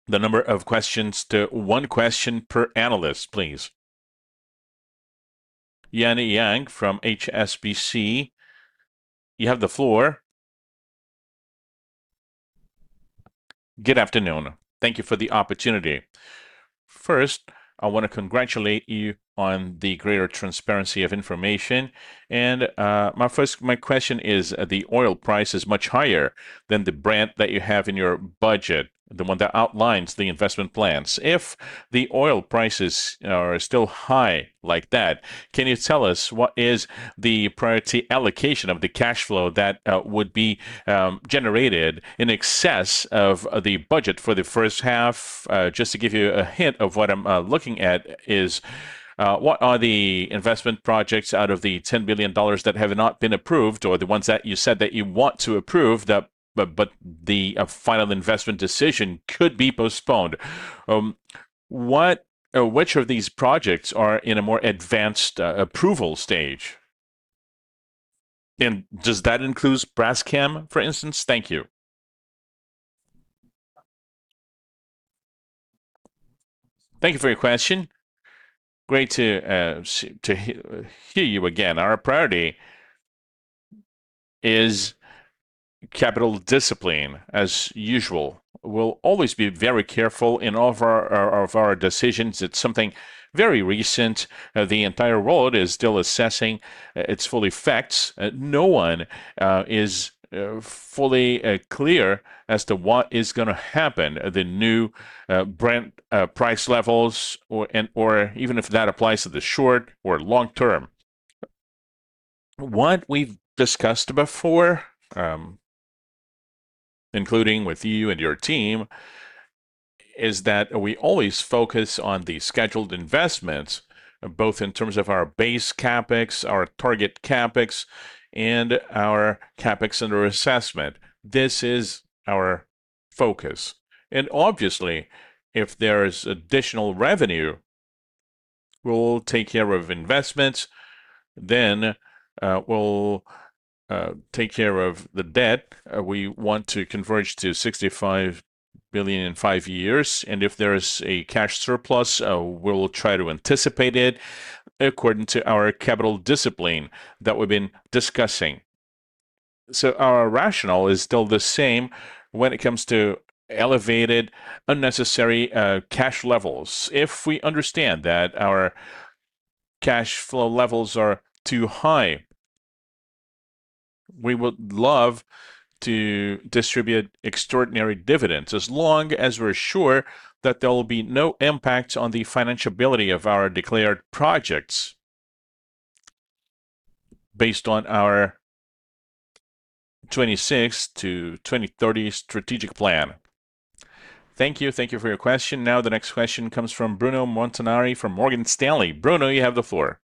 A: the number of questions to one question per analyst, please. Lilyanna Yang from HSBC, you have the floor. Good afternoon.
G: Thank you for the opportunity. First, I wanna congratulate you on the greater transparency of information. My question is, the oil price is much higher than the Brent that you have in your budget, the one that outlines the investment plans. If the oil prices are still high like that, can you tell us what is the priority allocation of the cash flow that would be generated in excess of the budget for the first half? Just to give you a hint of what I'm looking at is what are the investment projects out of the $10 billion that have not been approved or the ones that you said that you want to approve that, but the final investment decision could be postponed? What or which of these projects are in a more advanced approval stage? Does that includes Braskem, for instance? Thank you.
C: Thank you for your question. Great to hear you again. Our priority is capital discipline as usual. We'll always be very careful in all of our decisions. It's something very recent. The entire world is still assessing its full effects. No one is fully clear as to what is gonna happen, the new Brent price levels or even if that applies to the short or long term. What we've discussed before, including with you and your team, is that we always focus on the scheduled investments, both in terms of our base CapEx, our target CapEx, and our CapEx under assessment. This is our focus. Obviously, if there is additional revenue, we'll take care of investments, then we'll take care of the debt. We want to converge to $65 billion in five years, and if there is a cash surplus, we'll try to anticipate it according to our capital discipline that we've been discussing. Our rationale is still the same when it comes to elevated unnecessary cash levels. If we understand that our cash flow levels are too high, we would love to distribute extraordinary dividends, as long as we're sure that there will be no impact on the financability of our declared projects based on our 2026 to 2030 strategic plan.
G: Thank you.
A: Thank you for your question. The next question comes from Bruno Montanari from Morgan Stanley. Bruno, you have the floor.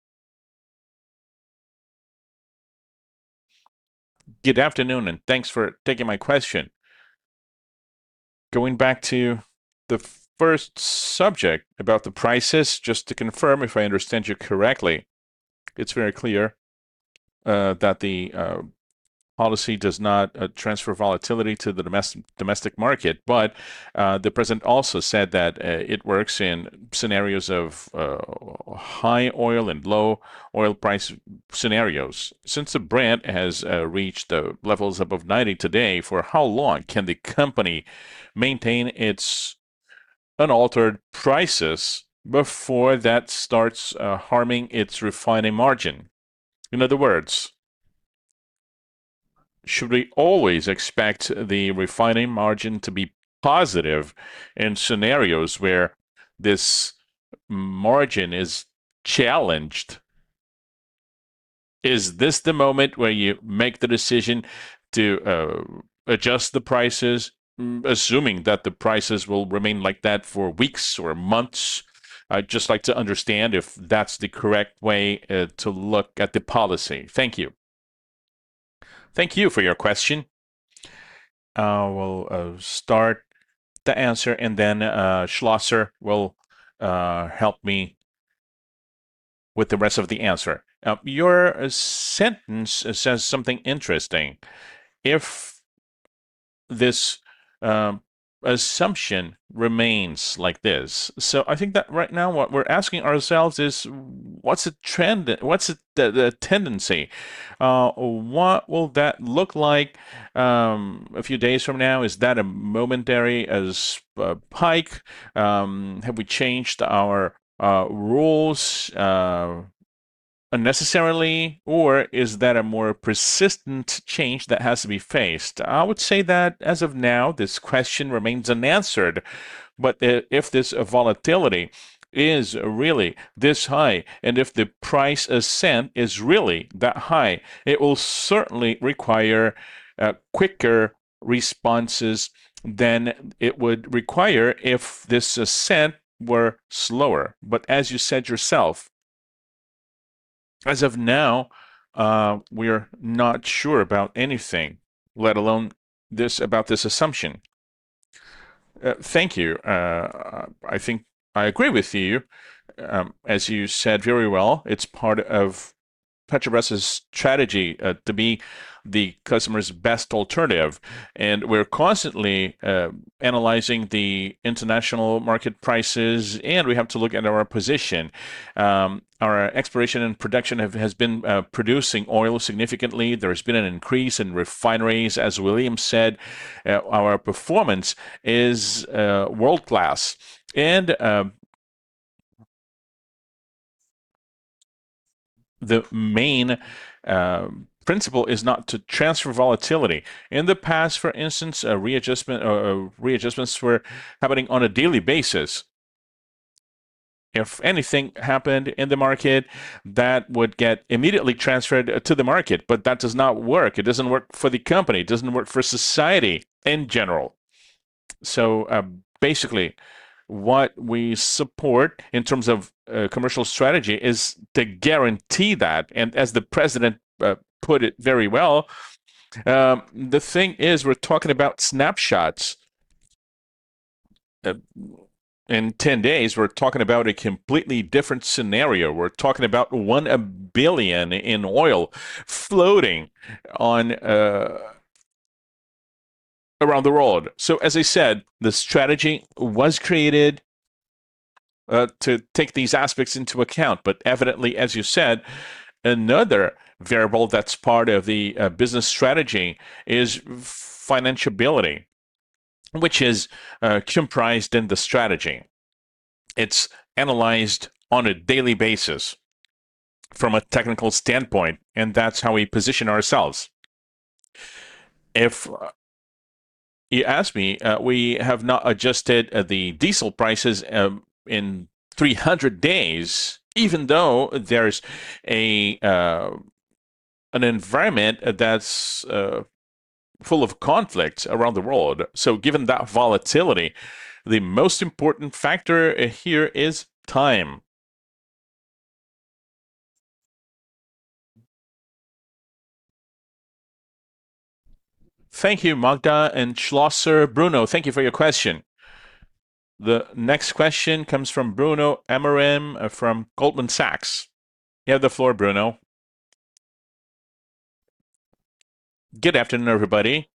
H: Good afternoon, and thanks for taking my question. Going back to the first subject about the prices, just to confirm if I understand you correctly, it's very clear that the policy does not transfer volatility to the domestic market. The president also said that it works in scenarios of high oil and low oil price scenarios. Since the Brent has reached the levels above 90 today, for how long can the company maintain its unaltered prices before that starts harming its refining margin? In other words, should we always expect the refining margin to be positive in scenarios where this margin is challenged? Is this the moment where you make the decision to adjust the prices, assuming that the prices will remain like that for weeks or months? I'd just like to understand if that's the correct way to look at the policy. Thank you.
B: Thank you for your question. We'll start the answer, and then Schlosser will help me with the rest of the answer. Your sentence says something interesting, if this assumption remains like this. I think that right now what we're asking ourselves is, what's the trend? What's the tendency? What will that look like a few days from now? Is that a momentary as hike? Have we changed our rules unnecessarily, or is that a more persistent change that has to be faced? I would say that as of now, this question remains unanswered. If this volatility is really this high, and if the price ascent is really that high, it will certainly require quicker responses than it would require if this ascent were slower. As you said yourself, as of now, we're not sure about anything, let alone this, about this assumption.
E: Thank you. I think I agree with you. As you said very well, it's part of Petrobras' strategy to be the customer's best alternative. We're constantly analyzing the international market prices, and we have to look at our position. Our exploration and production has been producing oil significantly. There's been an increase in refineries. As William said, our performance is world-class. The main principle is not to transfer volatility. In the past, for instance, a readjustment or readjustments were happening on a daily basis. If anything happened in the market, that would get immediately transferred to the market, but that does not work. It doesn't work for the company. It doesn't work for society in general. Basically, what we support in terms of commercial strategy is to guarantee that. As the President put it very well, the thing is we're talking about snapshots. In 10 days, we're talking about a completely different scenario. We're talking about $1 billion in oil floating on around the world. As I said, the strategy was created to take these aspects into account. Evidently, as you said, another variable that's part of the business strategy is financiability, which is comprised in the strategy. It's analyzed on a daily basis from a technical standpoint, and that's how we position ourselves. If you ask me, we have not adjusted the diesel prices in 300 days, even though there is an environment that's full of conflict around the world. Given that volatility, the most important factor here is time.
A: Thank you, Magda and Schlosser. Bruno, thank you for your question. The next question comes from Bruno Amorim from Goldman Sachs Group, Inc. You have the floor, Bruno.
I: Good afternoon, everybody.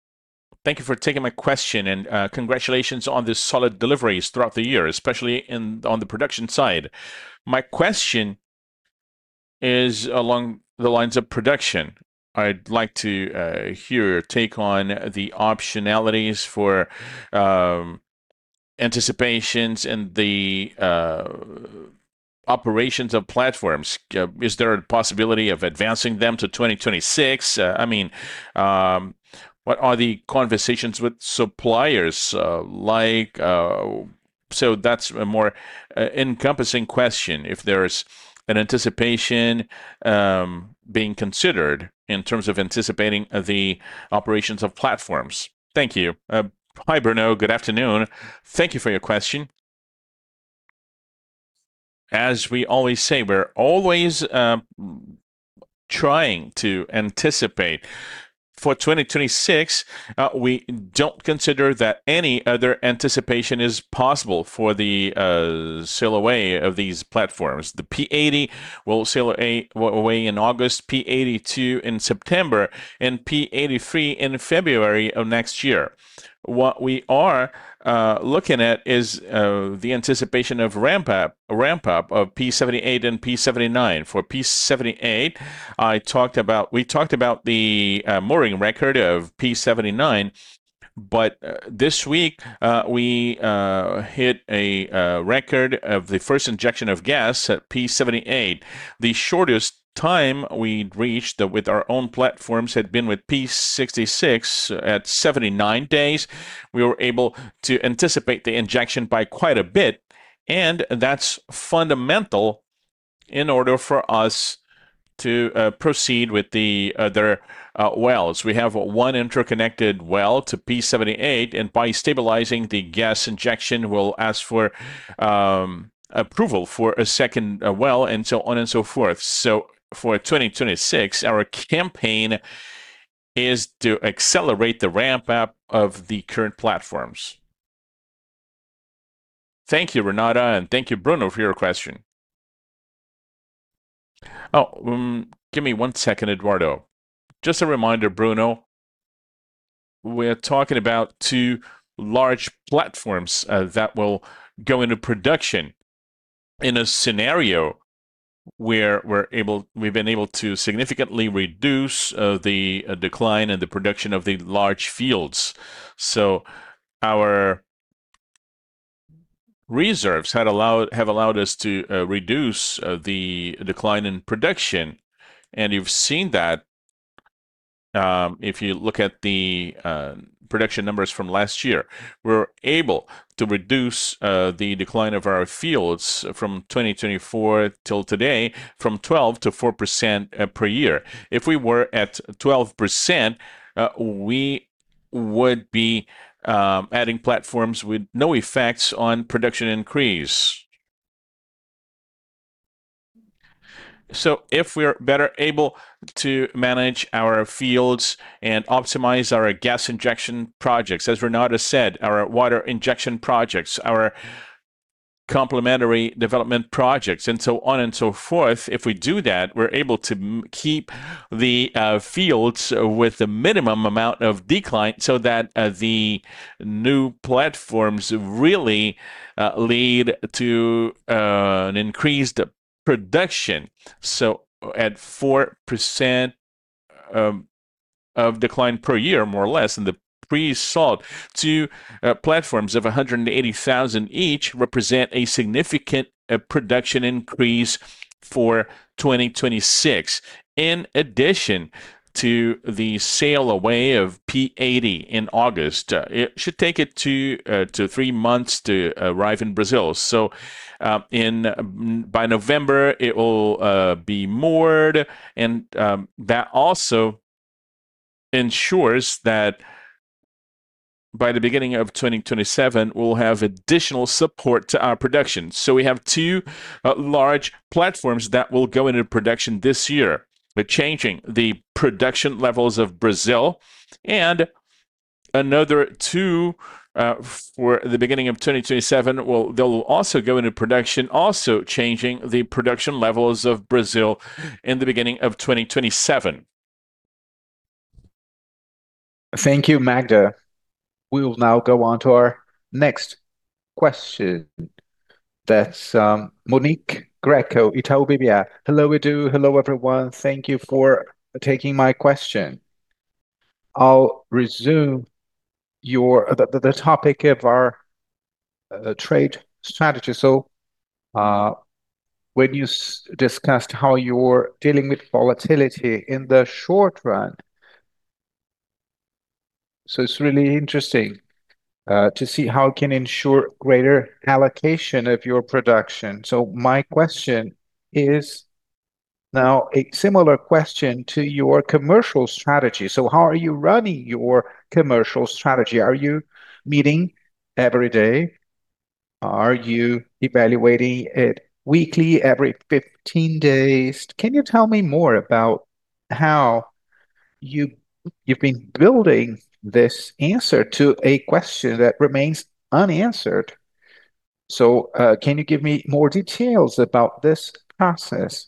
I: Thank you for taking my question, and congratulations on the solid deliveries throughout the year, especially on the production side. My question is along the lines of production. I'd like to hear your take on the optionalities for anticipations and the operations of platforms. Is there a possibility of advancing them to 2026? I mean, what are the conversations with suppliers. That's a more encompassing question, if there's an anticipation being considered in terms of anticipating the operations of platforms. Thank you.
J: Hi, Bruno. Good afternoon. Thank you for your question. As we always say, we're always trying to anticipate. For 2026, we don't consider that any other anticipation is possible for the sail away of these platforms. The P-80 will sail away in August, P-82 in September, and P-83 in February of next year. What we are looking at is the anticipation of ramp up of P-78 and P-79. For P-78, we talked about the mooring record of P-79, this week, we hit a record of the first injection of gas at P-78. The shortest time we'd reached with our own platforms had been with P-66 at 79 days. We were able to anticipate the injection by quite a bit, that's fundamental in order for us to proceed with the other wells. We have 1 interconnected well to P-78, by stabilizing the gas injection, we'll ask for approval for a second well, so on and so forth. For 2026, our campaign is to accelerate the ramp up of the current platforms.
A: Thank you, Renata, thank you, Bruno, for your question.
B: Give me one second, Eduardo. Just a reminder, Bruno, we're talking about two large platforms that will go into production in a scenario where we've been able to significantly reduce the decline in the production of the large fields. Our reserves had allowed, have allowed us to reduce the decline in production, and you've seen that, if you look at the production numbers from last year. We're able to reduce the decline of our fields from 2024 till today from 12%-4% per year. If we were at 12%, we would be adding platforms with no effects on production increase. If we're better able to manage our fields and optimize our gas injection projects, as Renata said, our water injection projects, our complementary development projects, and so on and so forth, if we do that, we're able to keep the fields with the minimum amount of decline so that the new platforms really lead to an increased production. At 4% of decline per year, more or less, than the pre-salt, two platforms of 180,000 barrels each represent a significant production increase for 2026. In addition to the sail away of P-80 in August, it should take it two to three months to arrive in Brazil. By November, it will be moored, and that also ensures that by the beginning of 2027, we'll have additional support to our production. We have two large platforms that will go into production this year. Changing the production levels of Brazil and another two, for the beginning of 2027 they will also go into production, also changing the production levels of Brazil in the beginning of 2027.
A: Thank you, Magda. We will now go on to our next question. That's Monique Greco, Itaú BBA.
K: Hello, Eduardo. Hello, everyone. Thank you for taking my question. I'll resume the topic of our trade strategy. When you discussed how you're dealing with volatility in the short run, it's really interesting to see how it can ensure greater allocation of your production. My question is now a similar question to your commercial strategy. How are you running your commercial strategy? Are you meeting every day? Are you evaluating it weekly, every 15 days? Can you tell me more about how you've been building this answer to a question that remains unanswered? Can you give me more details about this process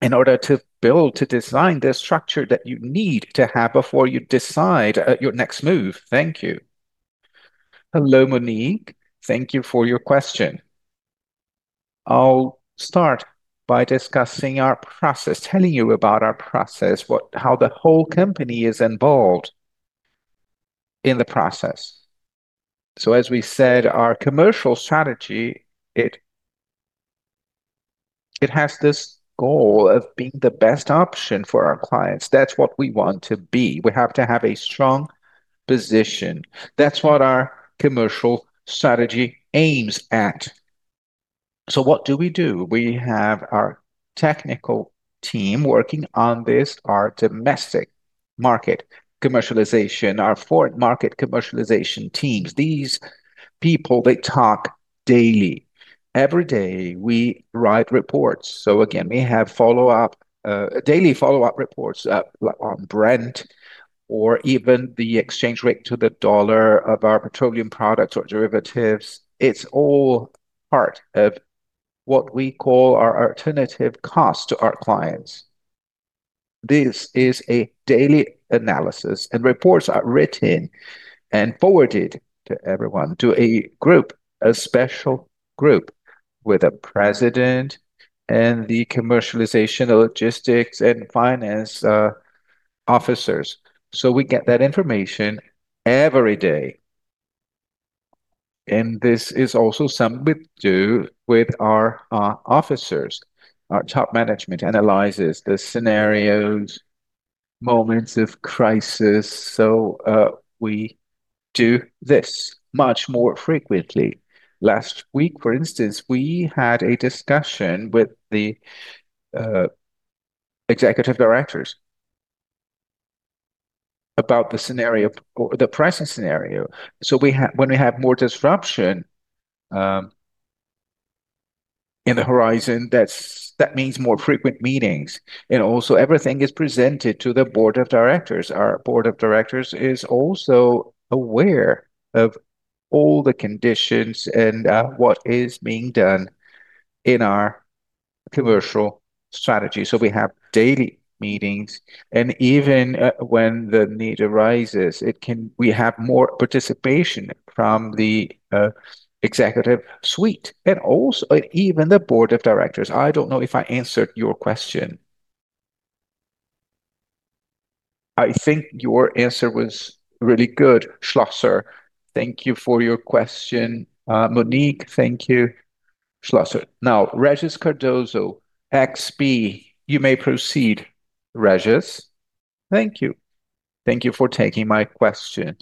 K: in order to build, to design the structure that you need to have before you decide your next move? Thank you.
E: Hello, Monique. Thank you for your question. I'll start by discussing our process, telling you about our process, how the whole company is involved in the process. As we said, our commercial strategy, it has this goal of being the best option for our clients. That's what we want to be. We have to have a strong position. That's what our commercial strategy aims at. What do we do? We have our technical team working on this, our domestic market commercialization, our foreign market commercialization teams. These people, they talk daily. Every day, we write reports. Again, we have follow-up daily follow-up reports on Brent or even the exchange rate to the dollar of our petroleum products or derivatives. It's all part of what we call our alternative cost to our clients. This is a daily analysis, reports are written and forwarded to everyone, to a group, a special group with a President and the Commercialization, Logistics, and Finance officers. We get that information every day. This is also something we do with our officers. Our top management analyzes the scenarios, moments of crisis. We do this much more frequently. Last week, for instance, we had a discussion with the Executive Directors about the scenario or the present scenario. When we have more disruption in the horizon, that means more frequent meetings. Also everything is presented to the board of directors. Our board of directors is also aware of all the conditions and what is being done in our commercial strategy. We have daily meetings, and even when the need arises, we have more participation from the executive suite and also even the board of directors. I don't know if I answered your question.
K: I think your answer was really good, Schlosser.
A: Thank you for your question. Monique, thank you. Schlosser. Now, Regis Cardoso, XP, you may proceed. Regis, thank you.
L: Thank you for taking my question.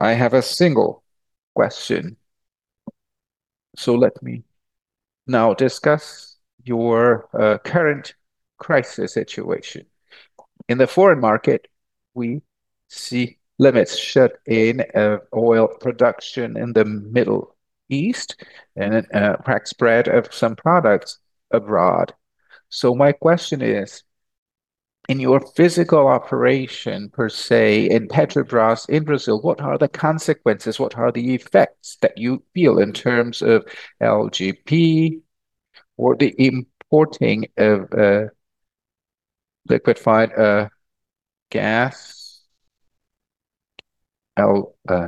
L: I have a single question. Let me now discuss your current crisis situation. In the foreign market, we see limits shut in oil production in the Middle East and price spread of some products abroad. My question is, in your physical operation, per se, in Petrobras in Brazil, what are the consequences? What are the effects that you feel in terms of LPG or the importing of liquefied gas, LNG?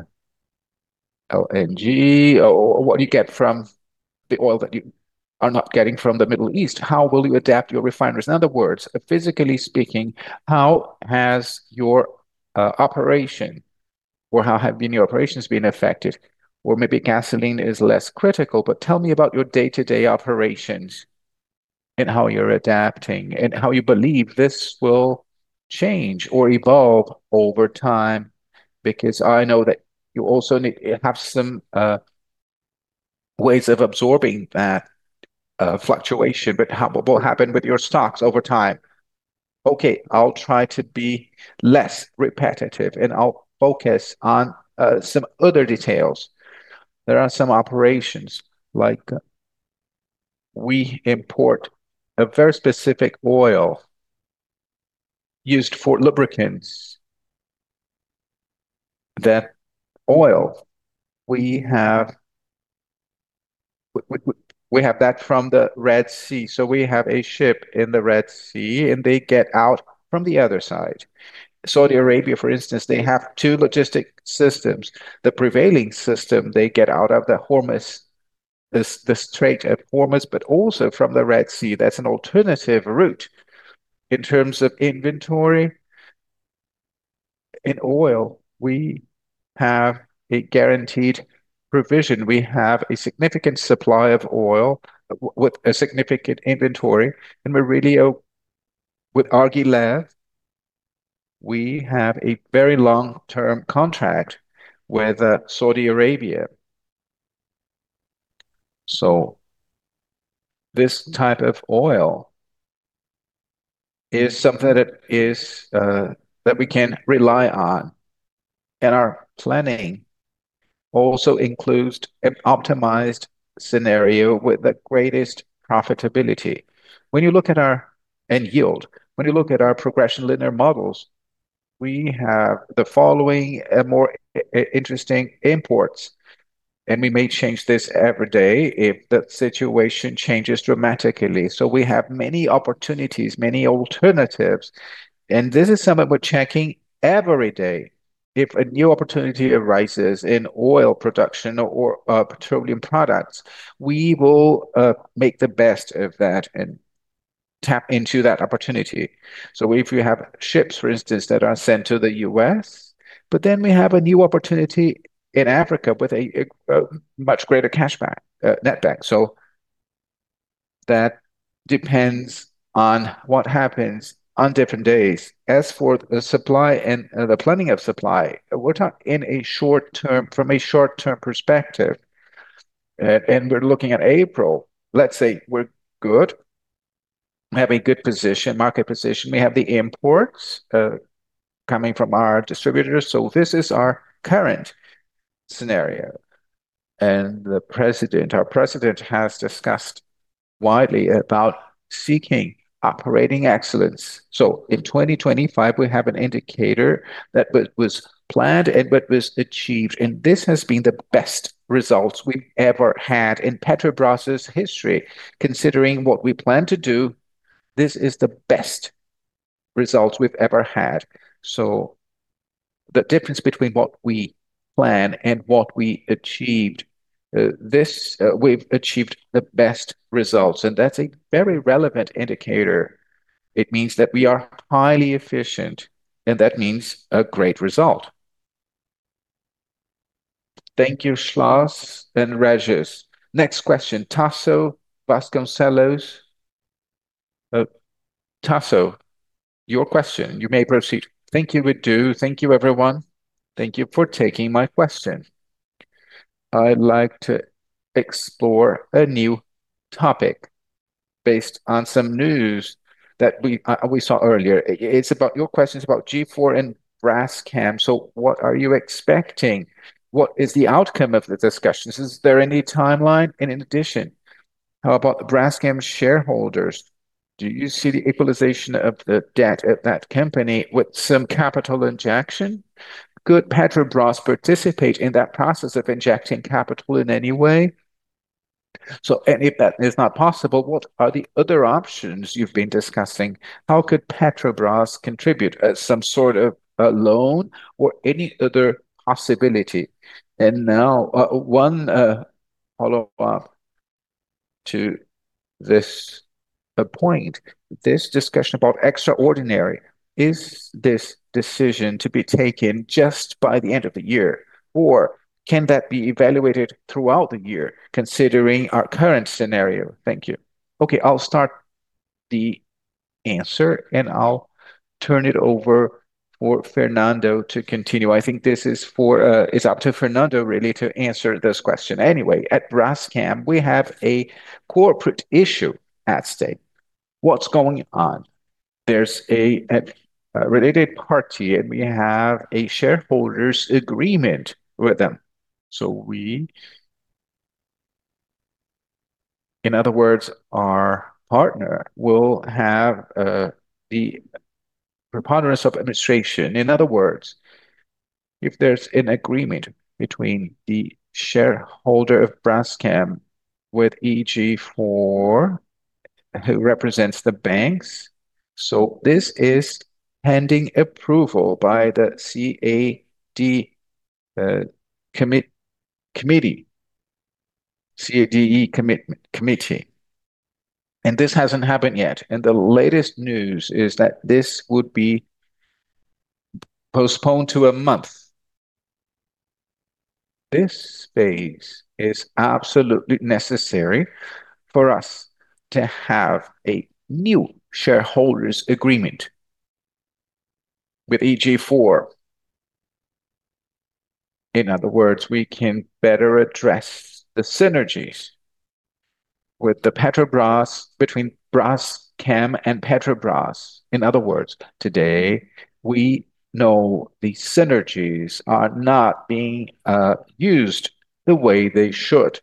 L: What do you get from the oil that you are not getting from the Middle East? How will you adapt your refineries? In other words, physically speaking, how has your operation or how have been your operations been affected? Maybe gasoline is less critical, but tell me about your day-to-day operations and how you're adapting and how you believe this will change or evolve over time. I know that you also have some ways of absorbing that fluctuation. What happened with your stocks over time?
E: Okay, I'll try to be less repetitive, and I'll focus on some other details. There are some operations like we import a very specific oil used for lubricants. That oil we have that from the Red Sea. We have a ship in the Red Sea, and they get out from the other side. Saudi Arabia, for instance, they have two logistic systems. The prevailing system, they get out of the Strait of Hormuz, but also from the Red Sea. That's an alternative route. In terms of inventory, in oil, we have a guaranteed provision. We have a significant supply of oil with a significant inventory, and we're really With Agulha, we have a very long-term contract with Saudi Arabia. This type of oil is something that is that we can rely on, and our planning also includes an optimized scenario with the greatest profitability. When you look at our end yield, when you look at our progression linear models, we have the following more interesting imports, we may change this every day if the situation changes dramatically. We have many opportunities, many alternatives, and this is something we're checking every day. If a new opportunity arises in oil production or petroleum products, we will make the best of that and tap into that opportunity. If you have ships, for instance, that are sent to the U.S., we have a new opportunity in Africa with a much greater cashback, netback. That depends on what happens on different days. As for the supply and the planning of supply, we're in a short term, from a short-term perspective, we're looking at April. Let's say we're good. We have a good position, market position. We have the imports coming from our distributors, so this is our current scenario. The president, our president has discussed widely about seeking operating excellence. In 2025, we have an indicator that was planned and what was achieved, and this has been the best results we've ever had in Petrobras' history. Considering what we plan to do, this is the best results we've ever had. The difference between what we plan and what we achieved, this, we've achieved the best results, and that's a very relevant indicator. It means that we are highly efficient, and that means a great result.
A: Thank you, Schlosser and Regis. Next question, Tasso Vasconcellos. Tasso, your question.
M: You may proceed. Thank you, Eduardo. Thank you everyone. Thank you for taking my question. I'd like to explore a new topic based on some news that we saw earlier. It's about your questions about IG4 and Braskem. What are you expecting? What is the outcome of the discussions? Is there any timeline? In addition, how about the Braskem shareholders? Do you see the equalization of the debt at that company with some capital injection? Could Petrobras participate in that process of injecting capital in any way? If that is not possible, what are the other options you've been discussing? How could Petrobras contribute as some sort of a loan or any other possibility? Now, one follow-up to this point, this discussion about extraordinary, is this decision to be taken just by the end of the year, or can that be evaluated throughout the year considering our current scenario? Thank you.
B: Okay. I'll start the answer, and I'll turn it over for Fernando to continue. I think this is for, it's up to Fernando really to answer this question. At Braskem, we have a corporate issue at stake. What's going on? There's a related party, and we have a shareholders agreement with them. In other words, our partner will have the preponderance of administration. In other words, if there's an agreement between the shareholder of Braskem with IG4, who represents the banks, this is pending approval by the CADE committee, and this hasn't happened yet. The latest news is that this would be postponed to a month. This phase is absolutely necessary for us to have a new shareholders agreement with IG4. In other words, we can better address the synergies with Petrobras between Braskem and Petrobras. In other words, today, we know the synergies are not being used the way they should.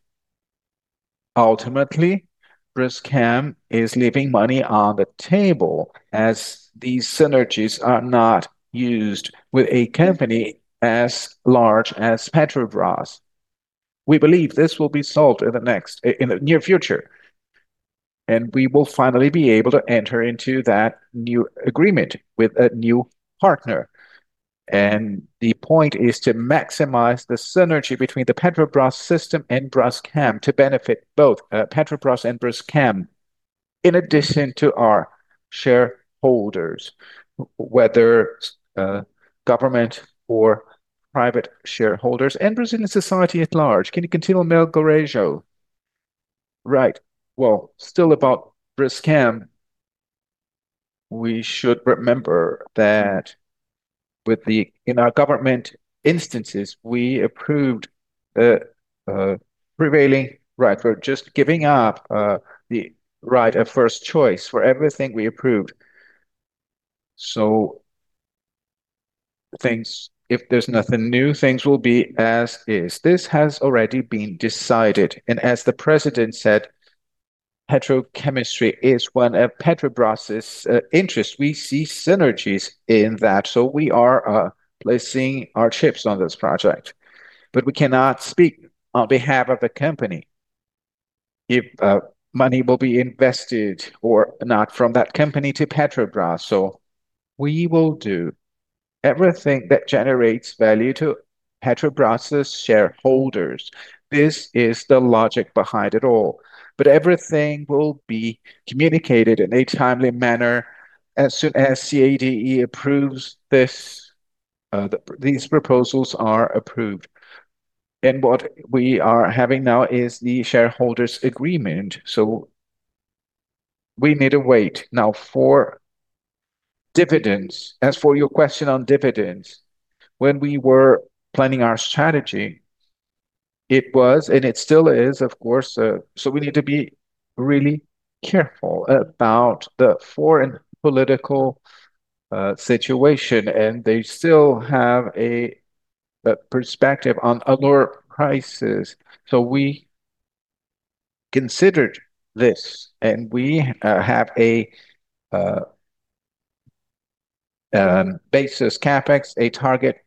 B: Ultimately, Braskem is leaving money on the table as these synergies are not used with a company as large as Petrobras. We believe this will be solved in the near future, and we will finally be able to enter into that new agreement with a new partner. The point is to maximize the synergy between the Petrobras system and Braskem to benefit both Petrobras and Braskem, in addition to our shareholders, whether government or private shareholders and Brazilian society at large. Can you continue, Melgarejo?
C: Right. Still about Braskem, we should remember that in our government instances, we approved prevailing right for just giving up the right of first choice for everything we approved. Things, if there's nothing new, things will be as is. This has already been decided. As the president said, petrochemistry is one of Petrobras' interest. We see synergies in that, we are placing our chips on this project. We cannot speak on behalf of the company if money will be invested or not from that company to Petrobras. We will do everything that generates value to Petrobras' shareholders. This is the logic behind it all. Everything will be communicated in a timely manner as soon as CADE approves this, these proposals are approved. What we are having now is the shareholders agreement. We need to wait now for dividends. As for your question on dividends, when we were planning our strategy, it was, and it still is, of course. We need to be really careful about the foreign political situation, and they still have a basis CapEx, a target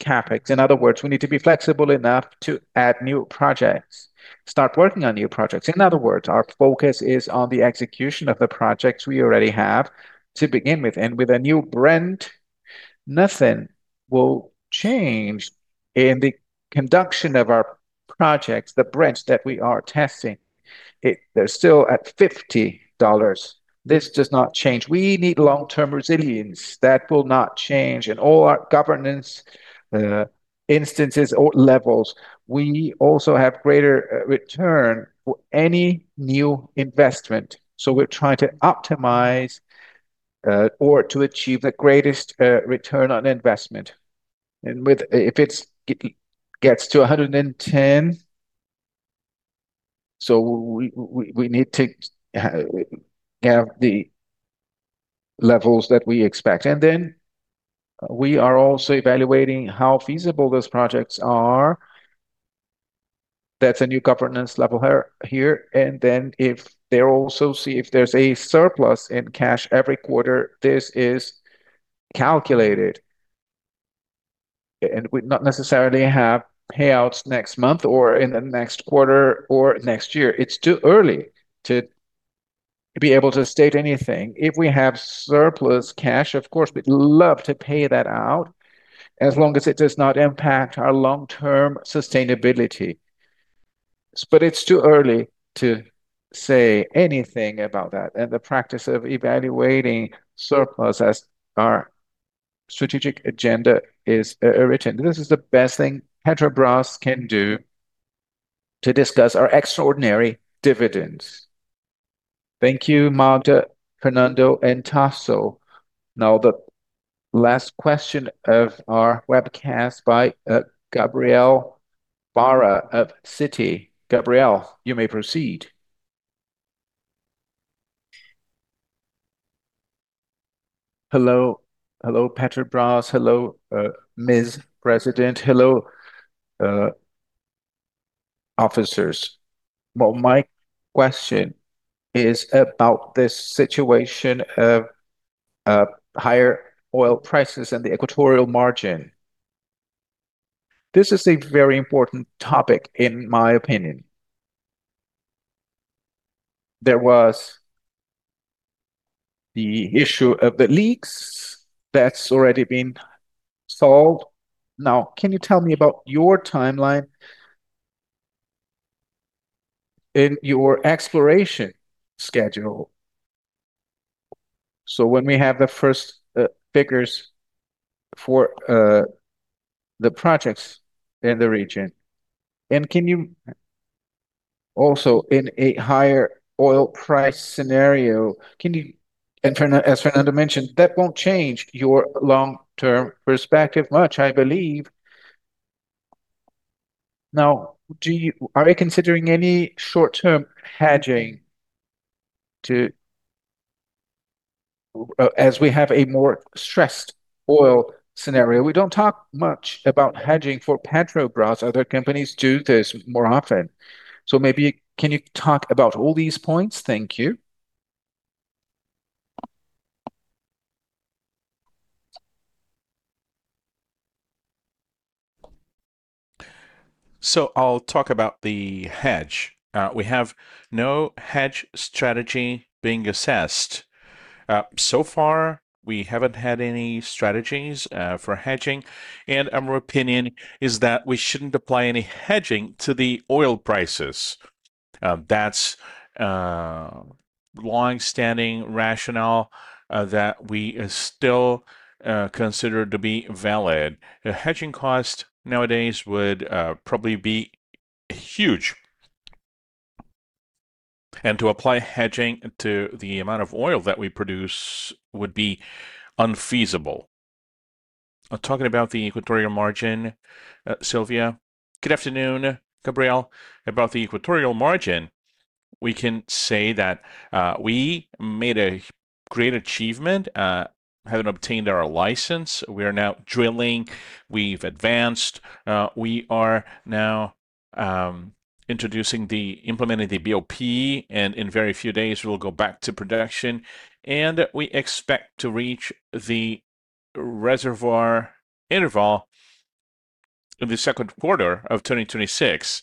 C: CapEx. In other words, we need to be flexible enough to add new projects, start working on new projects. In other words, our focus is on the execution of the projects we already have to begin with. With a new brand, nothing will change in the conduction of our projects, the brands that we are testing. They're still at $50. This does not change. We need long-term resilience. That will not change in all our governance instances or levels. We also have greater return for any new investment. We're trying to optimize or to achieve the greatest return on investment. If it gets to $110, we need to have the levels that we expect. We are also evaluating how feasible those projects are. That's a new governance level here. If they also see if there's a surplus in cash every quarter, this is calculated. We not necessarily have payouts next month or in the next quarter or next year. It's too early to be able to state anything. If we have surplus cash, of course, we'd love to pay that out as long as it does not impact our long-term sustainability. It's too early to say anything about that. The practice of evaluating surplus as our strategic agenda is written. This is the best thing Petrobras can do to discuss our extraordinary dividends.
A: Thank you, Magda, Fernando, and Tasso. The last question of our webcast by Gabriel Barra of Citi. Gabriel, you may proceed.
N: Hello. Hello, Petrobras. Hello, Ms. President. Hello, officers. Well, my question is about this situation of higher oil prices and the equatorial margin. This is a very important topic, in my opinion. There was the issue of the leaks that's already been solved. Can you tell me about your timeline in your exploration schedule? When we have the first figures for the projects in the region. Also, in a higher oil price scenario, can you As Fernando mentioned, that won't change your long-term perspective much, I believe. Are you considering any short-term hedging to, as we have a more stressed oil scenario? We don't talk much about hedging for Petrobras. Other companies do this more often. Maybe can you talk about all these points? Thank you.
C: I'll talk about the hedge. We have no hedge strategy being assessed. So far we haven't had any strategies for hedging, and our opinion is that we shouldn't apply any hedging to the oil prices. That's longstanding rationale that we still consider to be valid. The hedging cost nowadays would probably be huge. To apply hedging to the amount of oil that we produce would be unfeasible. Talking about the Equatorial Margin, Sylvia.
O: Good afternoon, Gabriel. About the Equatorial Margin, we can say that we made a great achievement having obtained our license. We are now drilling. We've advanced. We are now implementing the BOP, and in very few days we'll go back to production, and we expect to reach the reservoir interval in the second quarter of 2026.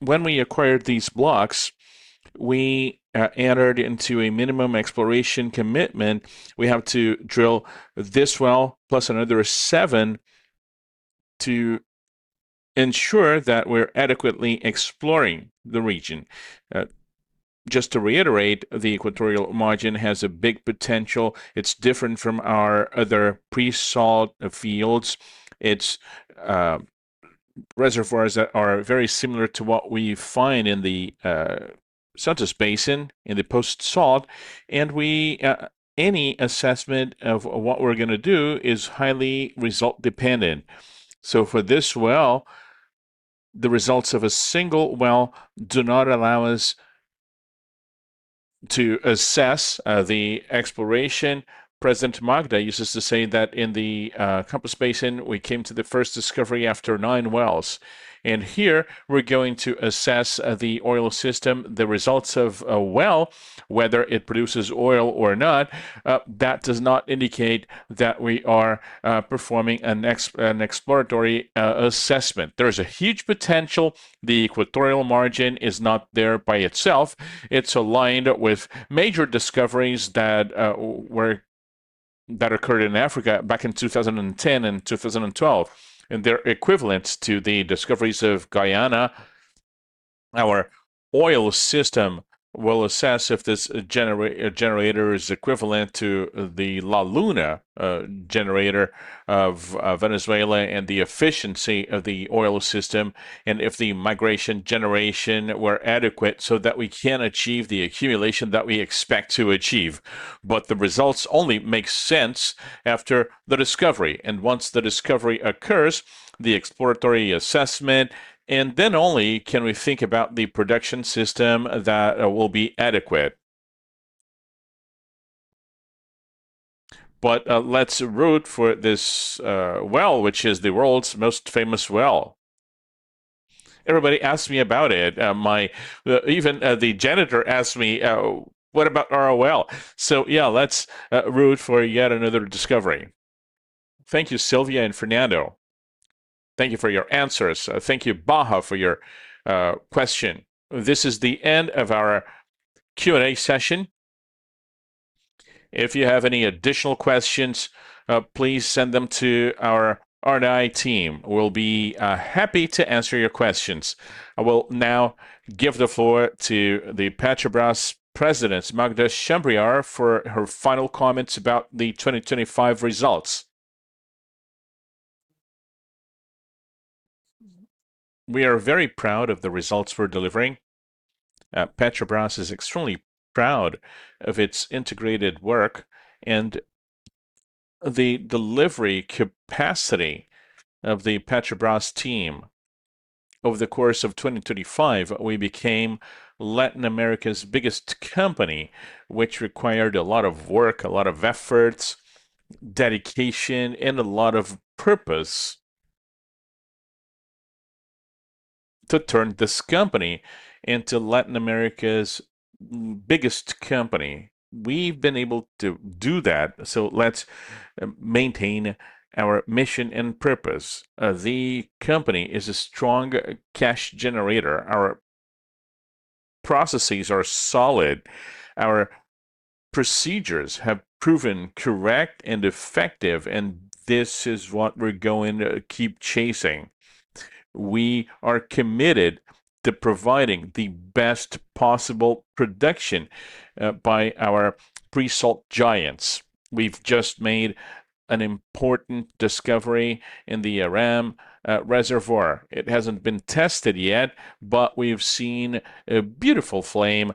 O: When we acquired these blocks, we entered into a minimum exploration commitment. We have to drill this well plus another seven to ensure that we're adequately exploring the region. Just to reiterate, the Equatorial Margin has a big potential. It's different from our other pre-salt fields. Its reservoirs are very similar to what we find in the Santos Basin in the post-salt. Any assessment of what we're gonna do is highly result dependent. For this well, the results of a single well do not allow us to assess the exploration. President Magda uses to say that in the Campos Basin, we came to the first discovery after nine wells. Here we're going to assess the oil system, the results of a well, whether it produces oil or not, that does not indicate that we are performing an exploratory assessment. There is a huge potential. The Equatorial Margin is not there by itself. It's aligned with major discoveries that occurred in Africa back in 2010 and 2012, and they're equivalent to the discoveries of Guyana. Our oil system will assess if this generator is equivalent to the La Luna generator of Venezuela and the efficiency of the oil system, and if the migration generation were adequate so that we can achieve the accumulation that we expect to achieve. The results only make sense after the discovery. Once the discovery occurs, the exploratory assessment, and then only can we think about the production system that will be adequate. Let's root for this well, which is the world's most famous well. Everybody asks me about it. My even the janitor asks me, "What about our well?" Let's root for yet another discovery.
A: Thank you, Sylvia and Fernando. Thank you for your answers. Thank you, Barra, for your question. This is the end of our Q&A session. If you have any additional questions, please send them to our R&I team. We'll be happy to answer your questions. I will now give the floor to the Petrobras President, Magda Chambriard, for her final comments about the 2025 results.
B: We are very proud of the results we're delivering. Petrobras is extremely proud of its integrated work and the delivery capacity of the Petrobras team. Over the course of 2025, we became Latin America's biggest company, which required a lot of work, a lot of efforts, dedication, and a lot of purpose to turn this company into Latin America's biggest company. We've been able to do that, let's maintain our mission and purpose. The company is a strong cash generator. Our processes are solid. Our procedures have proven correct and effective, this is what we're going to keep chasing. We are committed to providing the best possible production by our pre-salt giants. We've just made an important discovery in the Aram reservoir. It hasn't been tested yet, we've seen a beautiful flame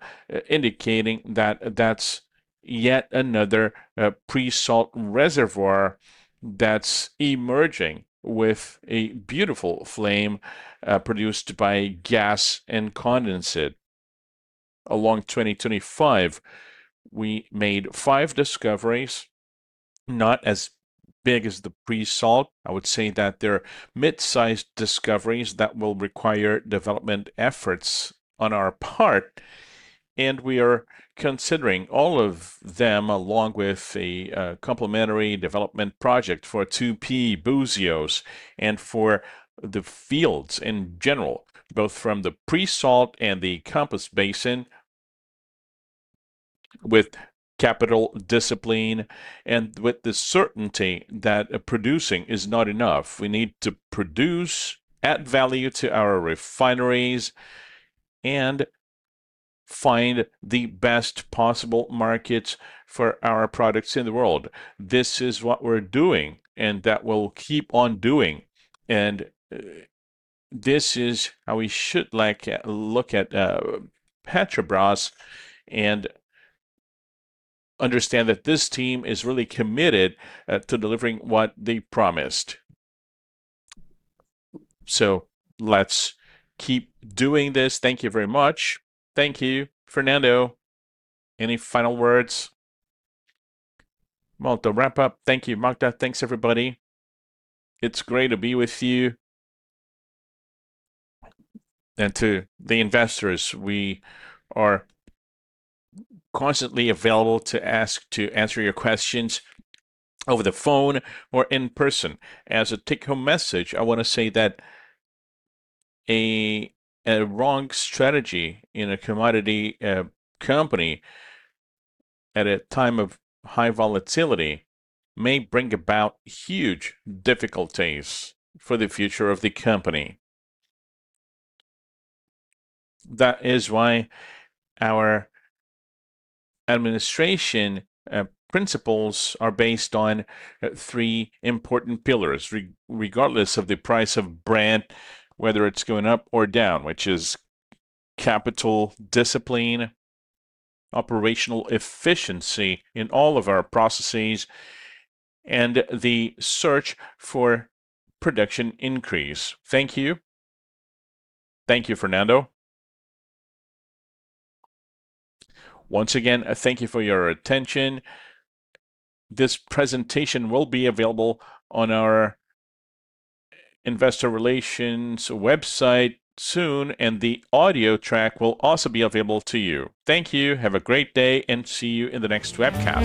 B: indicating that's yet another pre-salt reservoir that's emerging with a beautiful flame produced by gas and condensate. Along 2025, we made five discoveries, not as big as the pre-salt. I would say that they're mid-sized discoveries that will require development efforts on our part. We are considering all of them along with a complementary development project for 2P Búzios and for the fields in general, both from the pre-salt and the Campos Basin. With capital discipline and with the certainty that producing is not enough, we need to produce, add value to our refineries, and find the best possible markets for our products in the world. This is what we're doing, that we'll keep on doing. This is how we should like look at Petrobras and understand that this team is really committed to delivering what they promised. Let's keep doing this. Thank you very much. Thank you, Fernando. Any final words?
C: Well, to wrap up, thank you, Magda. Thanks, everybody. It's great to be with you. To the investors, we are constantly available to answer your questions over the phone or in person. As a take-home message, I wanna say that a wrong strategy in a commodity company at a time of high volatility may bring about huge difficulties for the future of the company. That is why our administration principles are based on three important pillars, regardless of the price of Brent, whether it's going up or down, which is capital discipline, operational efficiency in all of our processes, and the search for production increase. Thank you.
A: Thank you, Fernando. Once again, thank you for your attention. This presentation will be available on our Investor Relations website soon, and the audio track will also be available to you. Thank you. Have a great day, and see you in the next webcast.